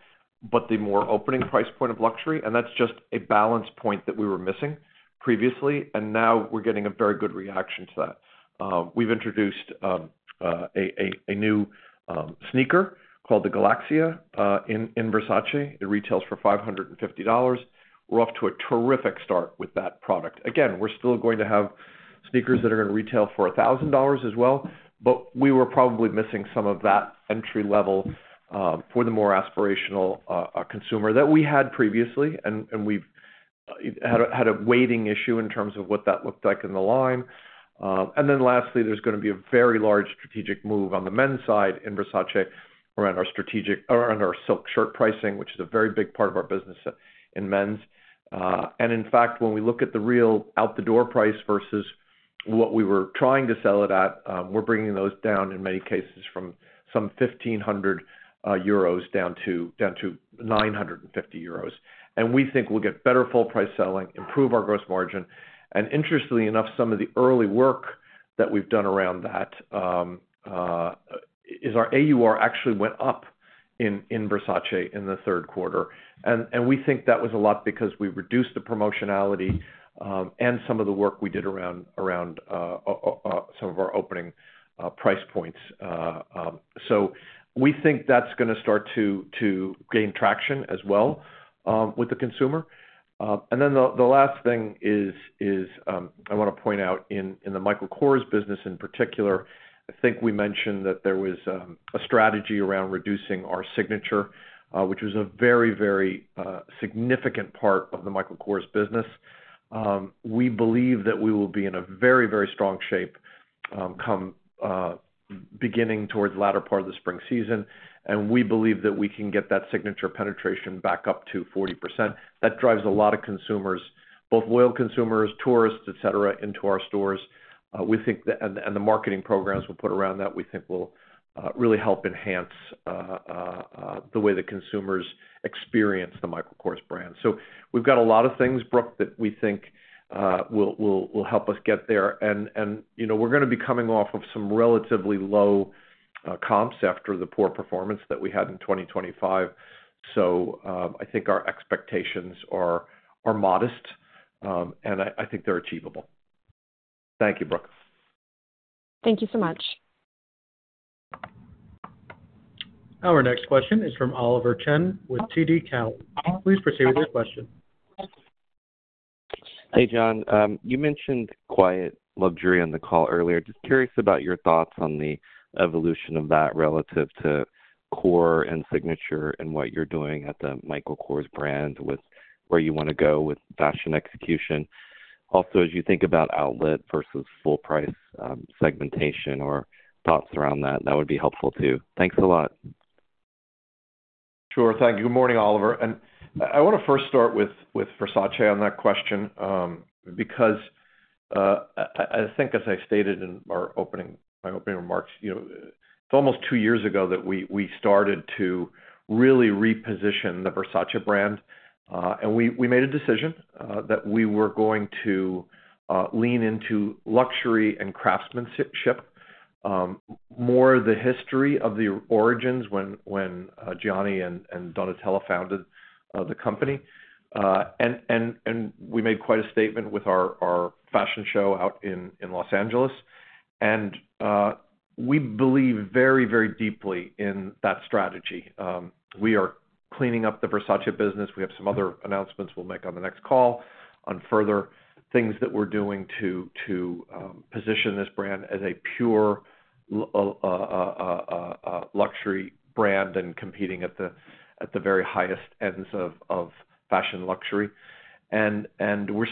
but the more opening price point of luxury. And that's just a balance point that we were missing previously. And now we're getting a very good reaction to that. We've introduced a new sneaker called the Galaxy in Versace. It retails for $550. We're off to a terrific start with that product. Again, we're still going to have sneakers that are going to retail for $1,000 as well. But we were probably missing some of that entry-level for the more aspirational consumer that we had previously. And we've had a weighting issue in terms of what that looked like in the line. Then lastly, there is going to be a very large strategic move on the men's side in Versace around our silk shirt pricing, which is a very big part of our business in men's. In fact, when we look at the real out-the-door price versus what we were trying to sell it at, we are bringing those down in many cases from some 1,500 euros down to 950 euros. We think we will get better full-price selling, improve our gross margin. Interestingly enough, some of the early work that we have done around that is our AUR actually went up in Versace in the third quarter. We think that was a lot because we reduced the promotionality and some of the work we did around some of our opening price points. We think that is going to start to gain traction as well with the consumer. And then the last thing is I want to point out in the Michael Kors business in particular. I think we mentioned that there was a strategy around reducing our Signature, which was a very, very significant part of the Michael Kors business. We believe that we will be in a very, very strong shape beginning towards the latter part of the spring season. And we believe that we can get that Signature penetration back up to 40%. That drives a lot of consumers, both loyal consumers, tourists, etc., into our stores. And the marketing programs we'll put around that, we think, will really help enhance the way that consumers experience the Michael Kors brand. So we've got a lot of things, Brooke, that we think will help us get there. We're going to be coming off of some relatively low comps after the poor performance that we had in 2025. So I think our expectations are modest. And I think they're achievable. Thank you, Brooke. Thank you so much. Our next question is from Oliver Chen with TD Cowen. Please proceed with your question. Hey, John. You mentioned quiet luxury on the call earlier. Just curious about your thoughts on the evolution of that relative to core and Signature and what you're doing at the Michael Kors brand with where you want to go with fashion execution. Also, as you think about outlet versus full-price segmentation or thoughts around that, that would be helpful too. Thanks a lot. Sure. Thank you. Good morning, Oliver. And I want to first start with Versace on that question because I think, as I stated in my opening remarks, it's almost two years ago that we started to really reposition the Versace brand. And we made a decision that we were going to lean into luxury and craftsmanship, more the history of the origins when Gianni Versace and Donatella Versace founded the company. And we made quite a statement with our fashion show out in Los Angeles. And we believe very, very deeply in that strategy. We are cleaning up the Versace business. We have some other announcements we'll make on the next call on further things that we're doing to position this brand as a pure luxury brand and competing at the very highest ends of fashion luxury. And we're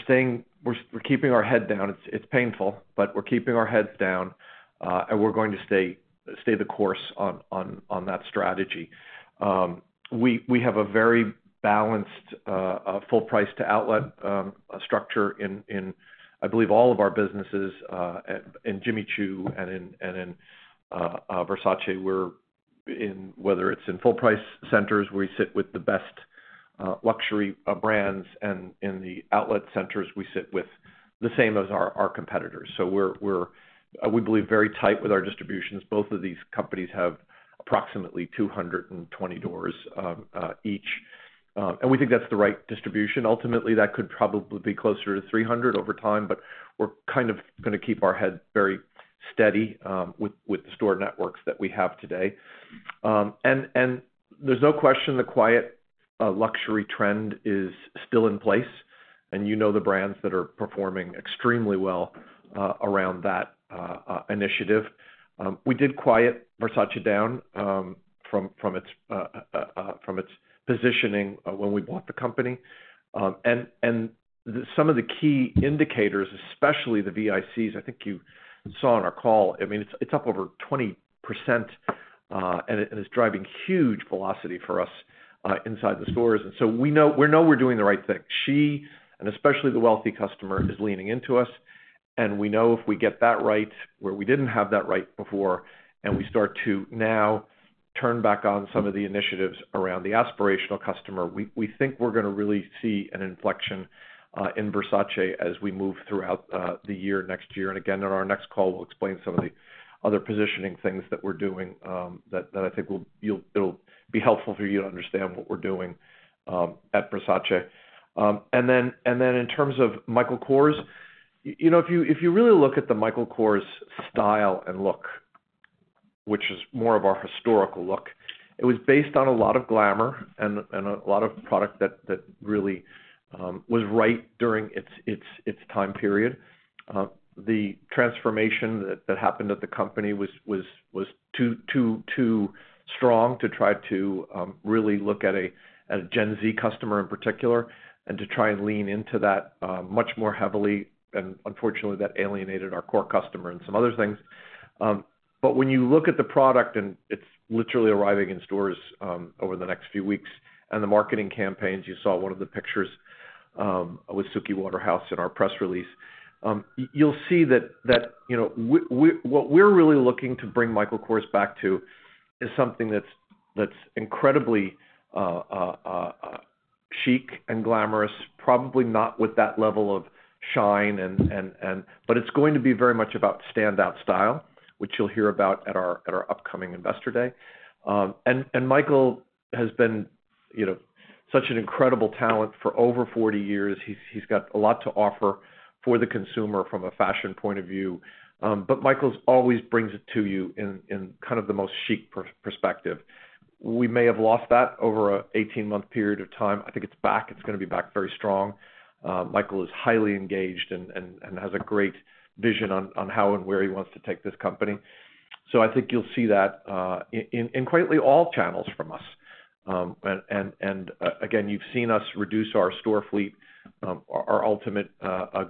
keeping our head down. It's painful, but we're keeping our heads down. We're going to stay the course on that strategy. We have a very balanced full-price to outlet structure in, I believe, all of our businesses in Jimmy Choo and in Versace. Whether it's in full-price centers, we sit with the best luxury brands. And in the outlet centers, we sit with the same as our competitors. So we believe very tight with our distributions. Both of these companies have approximately 220 doors each. And we think that's the right distribution. Ultimately, that could probably be closer to 300 over time. But we're kind of going to keep our head very steady with the store networks that we have today. And there's no question the quiet luxury trend is still in place. And you know the brands that are performing extremely well around that initiative. We did quiet Versace down from its positioning when we bought the company. And some of the key indicators, especially the VICs, I think you saw on our call. I mean, it's up over 20%. And it's driving huge velocity for us inside the stores. And so we know we're doing the right thing. She, and especially the wealthy customer, is leaning into us. And we know if we get that right, where we didn't have that right before, and we start to now turn back on some of the initiatives around the aspirational customer, we think we're going to really see an inflection in Versace as we move throughout the year next year. And again, on our next call, we'll explain some of the other positioning things that we're doing that I think it'll be helpful for you to understand what we're doing at Versace. Then in terms of Michael Kors, if you really look at the Michael Kors style and look, which is more of our historical look, it was based on a lot of glamour and a lot of product that really was right during its time period. The transformation that happened at the company was too strong to try to really look at a Gen Z customer in particular and to try and lean into that much more heavily. Unfortunately, that alienated our core customer and some other things. But when you look at the product, and it's literally arriving in stores over the next few weeks, and the marketing campaigns, you saw one of the pictures with Suki Waterhouse in our press release, you'll see that what we're really looking to bring Michael Kors back to is something that's incredibly chic and glamorous, probably not with that level of shine. But it's going to be very much about standout style, which you'll hear about at our upcoming investor day. And Michael has been such an incredible talent for over 40 years. He's got a lot to offer for the consumer from a fashion point of view. But Michael always brings it to you in kind of the most chic perspective. We may have lost that over an 18-month period of time. I think it's back. It's going to be back very strong. Michael is highly engaged and has a great vision on how and where he wants to take this company. So I think you'll see that in quite all channels from us. And again, you've seen us reduce our store fleet. Our ultimate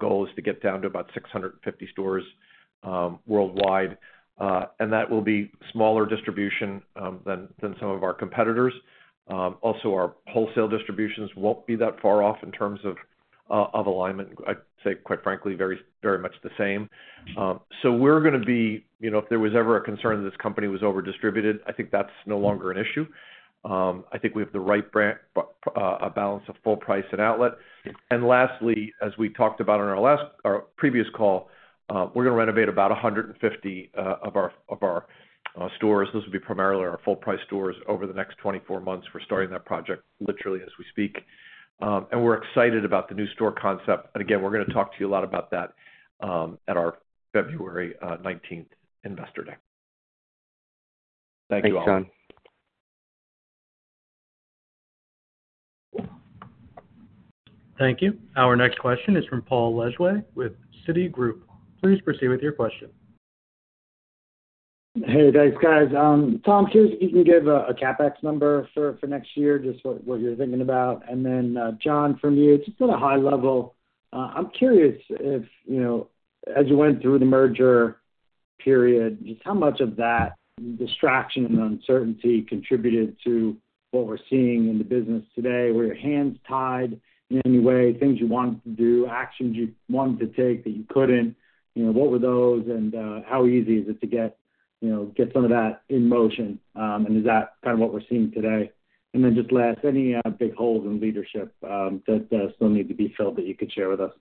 goal is to get down to about 650 stores worldwide. And that will be smaller distribution than some of our competitors. Also, our wholesale distributions won't be that far off in terms of alignment. I'd say, quite frankly, very much the same. So we're going to be, if there was ever a concern that this company was over-distributed, I think that's no longer an issue. I think we have the right balance of full-price and outlet. And lastly, as we talked about on our previous call, we're going to renovate about 150 of our stores. Those will be primarily our full-price stores over the next 24 months. We're starting that project literally as we speak. And we're excited about the new store concept. And again, we're going to talk to you a lot about that at our February 19th investor day. Thank you all. Thanks, John. Thank you. Our next question is from Paul Lejuez with Citigroup. Please proceed with your question. Hey, thanks, guys. Tom, curious if you can give a CapEx number for next year, just what you're thinking about. And then John, from you, just at a high level, I'm curious if, as you went through the merger period, just how much of that distraction and uncertainty contributed to what we're seeing in the business today? Were your hands tied in any way? Things you wanted to do, actions you wanted to take that you couldn't, what were those? And how easy is it to get some of that in motion? And is that kind of what we're seeing today? And then just last, any big holes in leadership that still need to be filled that you could share with us?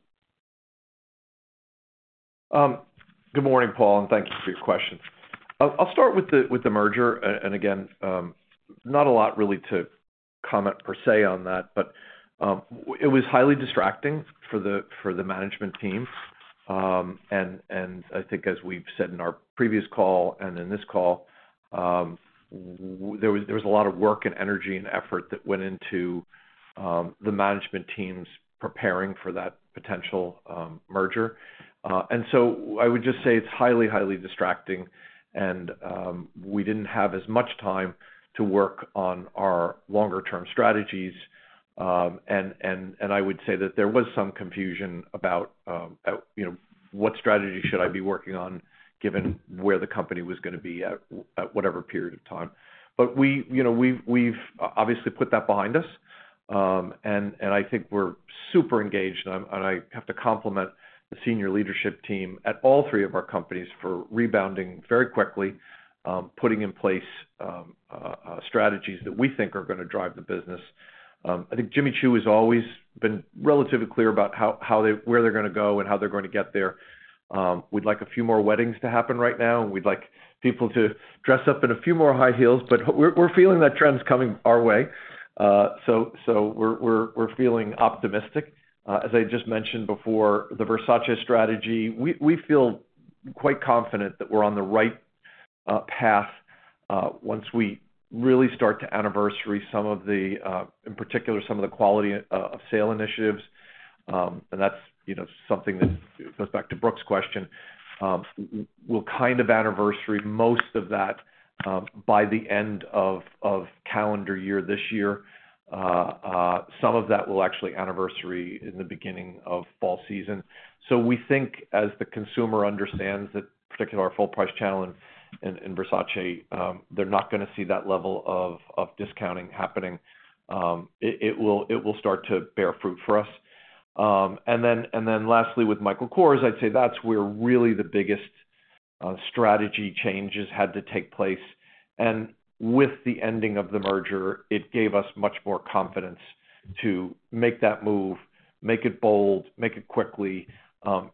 Good morning, Paul. And thank you for your question. I'll start with the merger. And again, not a lot really to comment per se on that. But it was highly distracting for the management team. And I think, as we've said in our previous call and in this call, there was a lot of work and energy and effort that went into the management teams preparing for that potential merger. And so I would just say it's highly, highly distracting. And we didn't have as much time to work on our longer-term strategies. And I would say that there was some confusion about what strategy should I be working on given where the company was going to be at whatever period of time. But we've obviously put that behind us. And I think we're super engaged. And I have to compliment the senior leadership team at all three of our companies for rebounding very quickly, putting in place strategies that we think are going to drive the business. I think Jimmy Choo has always been relatively clear about where they're going to go and how they're going to get there. We'd like a few more weddings to happen right now. And we'd like people to dress up in a few more high heels. But we're feeling that trend's coming our way. So we're feeling optimistic. As I just mentioned before, the Versace strategy, we feel quite confident that we're on the right path once we really start to anniversary some of the, in particular, some of the quality of sale initiatives. And that's something that goes back to Brooke's question. We'll kind of anniversary most of that by the end of calendar year this year. Some of that we'll actually anniversary in the beginning of fall season. So we think, as the consumer understands that, particularly our full-price channel in Versace, they're not going to see that level of discounting happening. It will start to bear fruit for us. And then lastly, with Michael Kors, I'd say that's where really the biggest strategy changes had to take place. And with the ending of the merger, it gave us much more confidence to make that move, make it bold, make it quickly,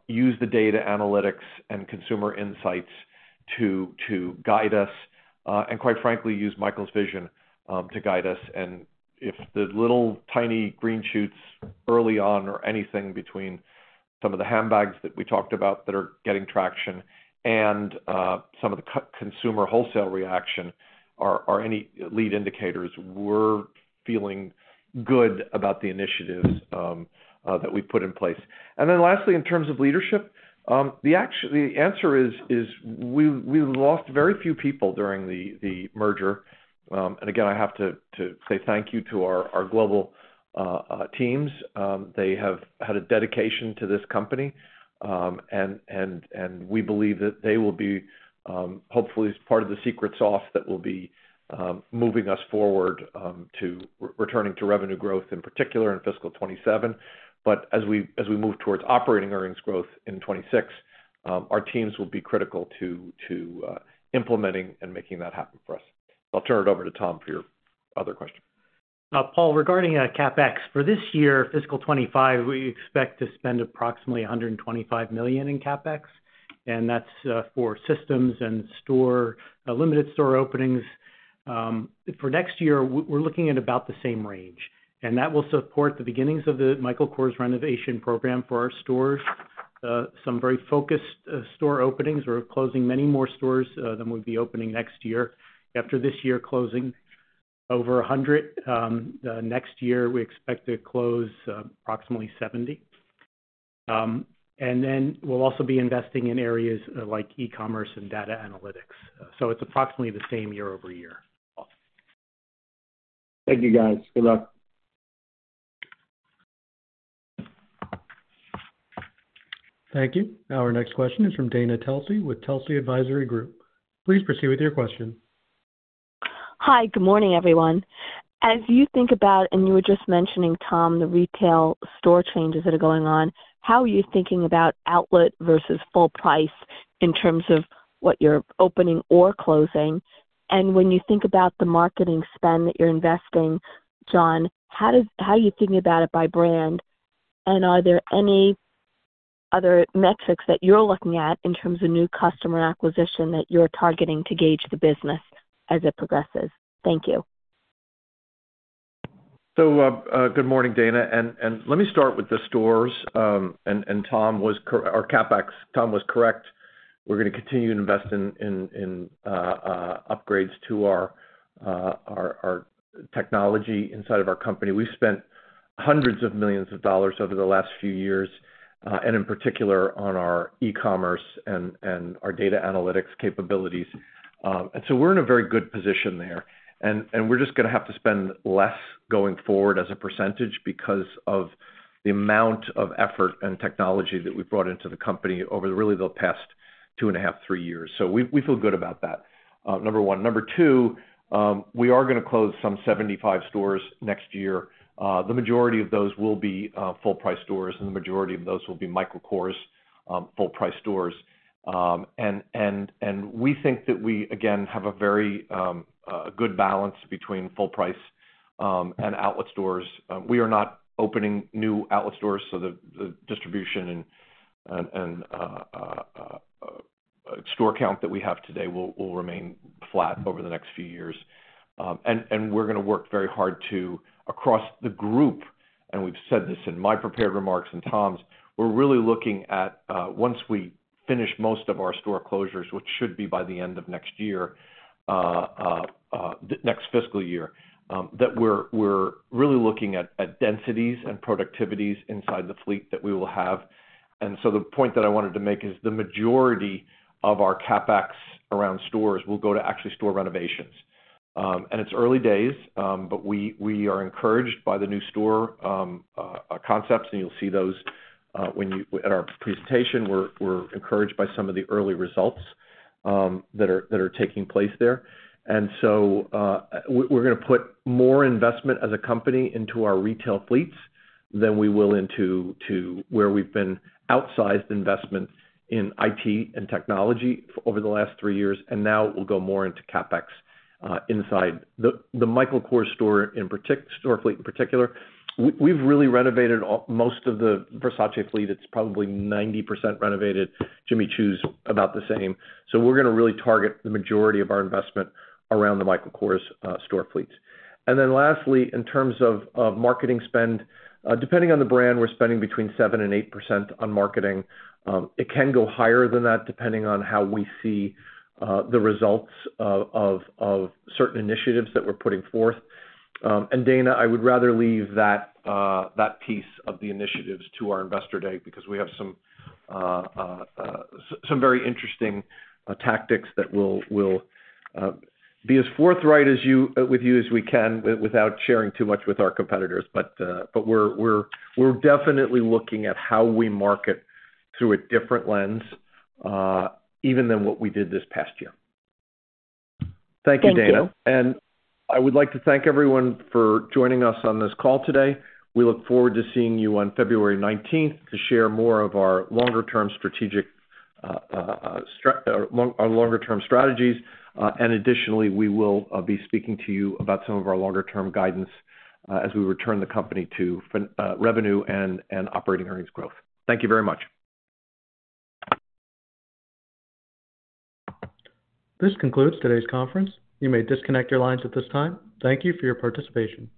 use the data analytics and consumer insights to guide us, and quite frankly, use Michael's vision to guide us. And if the little tiny green shoots early on or anything between some of the handbags that we talked about that are getting traction and some of the consumer wholesale reaction are any lead indicators, we're feeling good about the initiatives that we've put in place. And then lastly, in terms of leadership, the answer is we lost very few people during the merger. And again, I have to say thank you to our global teams. They have had a dedication to this company. We believe that they will be, hopefully, part of the secret sauce that will be moving us forward to returning to revenue growth, in particular, in fiscal 27. But as we move towards operating earnings growth in 26, our teams will be critical to implementing and making that happen for us. I'll turn it over to Tom for your other question. Paul, regarding CapEx, for this year, fiscal 25, we expect to spend approximately $125 million in CapEx. And that's for systems and limited store openings. For next year, we're looking at about the same range. And that will support the beginnings of the Michael Kors renovation program for our stores, some very focused store openings. We're closing many more stores than we'll be opening next year. After this year, closing over 100, next year, we expect to close approximately 70. And then we'll also be investing in areas like e-commerce and data analytics. So it's approximately the same year over year. Thank you, guys. Good luck. Thank you. Our next question is from Dana Telsey with Telsey Advisory Group. Please proceed with your question. Hi. Good morning, everyone. As you think about, and you were just mentioning, Tom, the retail store changes that are going on, how are you thinking about outlet versus full price in terms of what you're opening or closing? And when you think about the marketing spend that you're investing, John, how are you thinking about it by brand? And are there any other metrics that you're looking at in terms of new customer acquisition that you're targeting to gauge the business as it progresses? Thank you. So good morning, Dana. And let me start with the stores. And Tom was correct. We're going to continue to invest in upgrades to our technology inside of our company. We've spent hundreds of millions of dollars over the last few years, and in particular, on our e-commerce and our data analytics capabilities. And so we're in a very good position there. And we're just going to have to spend less going forward as a percentage because of the amount of effort and technology that we've brought into the company over really the past two and a half, three years. So we feel good about that, number one. Number two, we are going to close some 75 stores next year. The majority of those will be full-price stores. And the majority of those will be Michael Kors full-price stores. And we think that we, again, have a very good balance between full-price and outlet stores. We are not opening new outlet stores. So the distribution and store count that we have today will remain flat over the next few years. And we're going to work very hard to, across the group, and we've said this in my prepared remarks and Tom's, we're really looking at, once we finish most of our store closures, which should be by the end of next year, next fiscal year, that we're really looking at densities and productivities inside the fleet that we will have. And so the point that I wanted to make is the majority of our CapEx around stores will go to actually store renovations. And it's early days. But we are encouraged by the new store concepts. And you'll see those at our presentation. We're encouraged by some of the early results that are taking place there. And so we're going to put more investment as a company into our retail fleets than we will into where we've been outsized investment in IT and technology over the last three years. And now we'll go more into CapEx inside the Michael Kors store fleet in particular. We've really renovated most of the Versace fleet. It's probably 90% renovated. Jimmy Choo's about the same. So we're going to really target the majority of our investment around the Michael Kors store fleets. And then lastly, in terms of marketing spend, depending on the brand, we're spending between 7% and 8% on marketing. It can go higher than that depending on how we see the results of certain initiatives that we're putting forth. And Dana, I would rather leave that piece of the initiatives to our investor day because we have some very interesting tactics that will be as forthright with you as we can without sharing too much with our competitors. But we're definitely looking at how we market through a different lens even than what we did this past year. Thank you, Dana. And I would like to thank everyone for joining us on this call today. We look forward to seeing you on February 19th to share more of our longer-term strategies and strategies. And additionally, we will be speaking to you about some of our longer-term guidance as we return the company to revenue and operating earnings growth. Thank you very much. This concludes today's conference. You may disconnect your lines at this time. Thank you for your participation.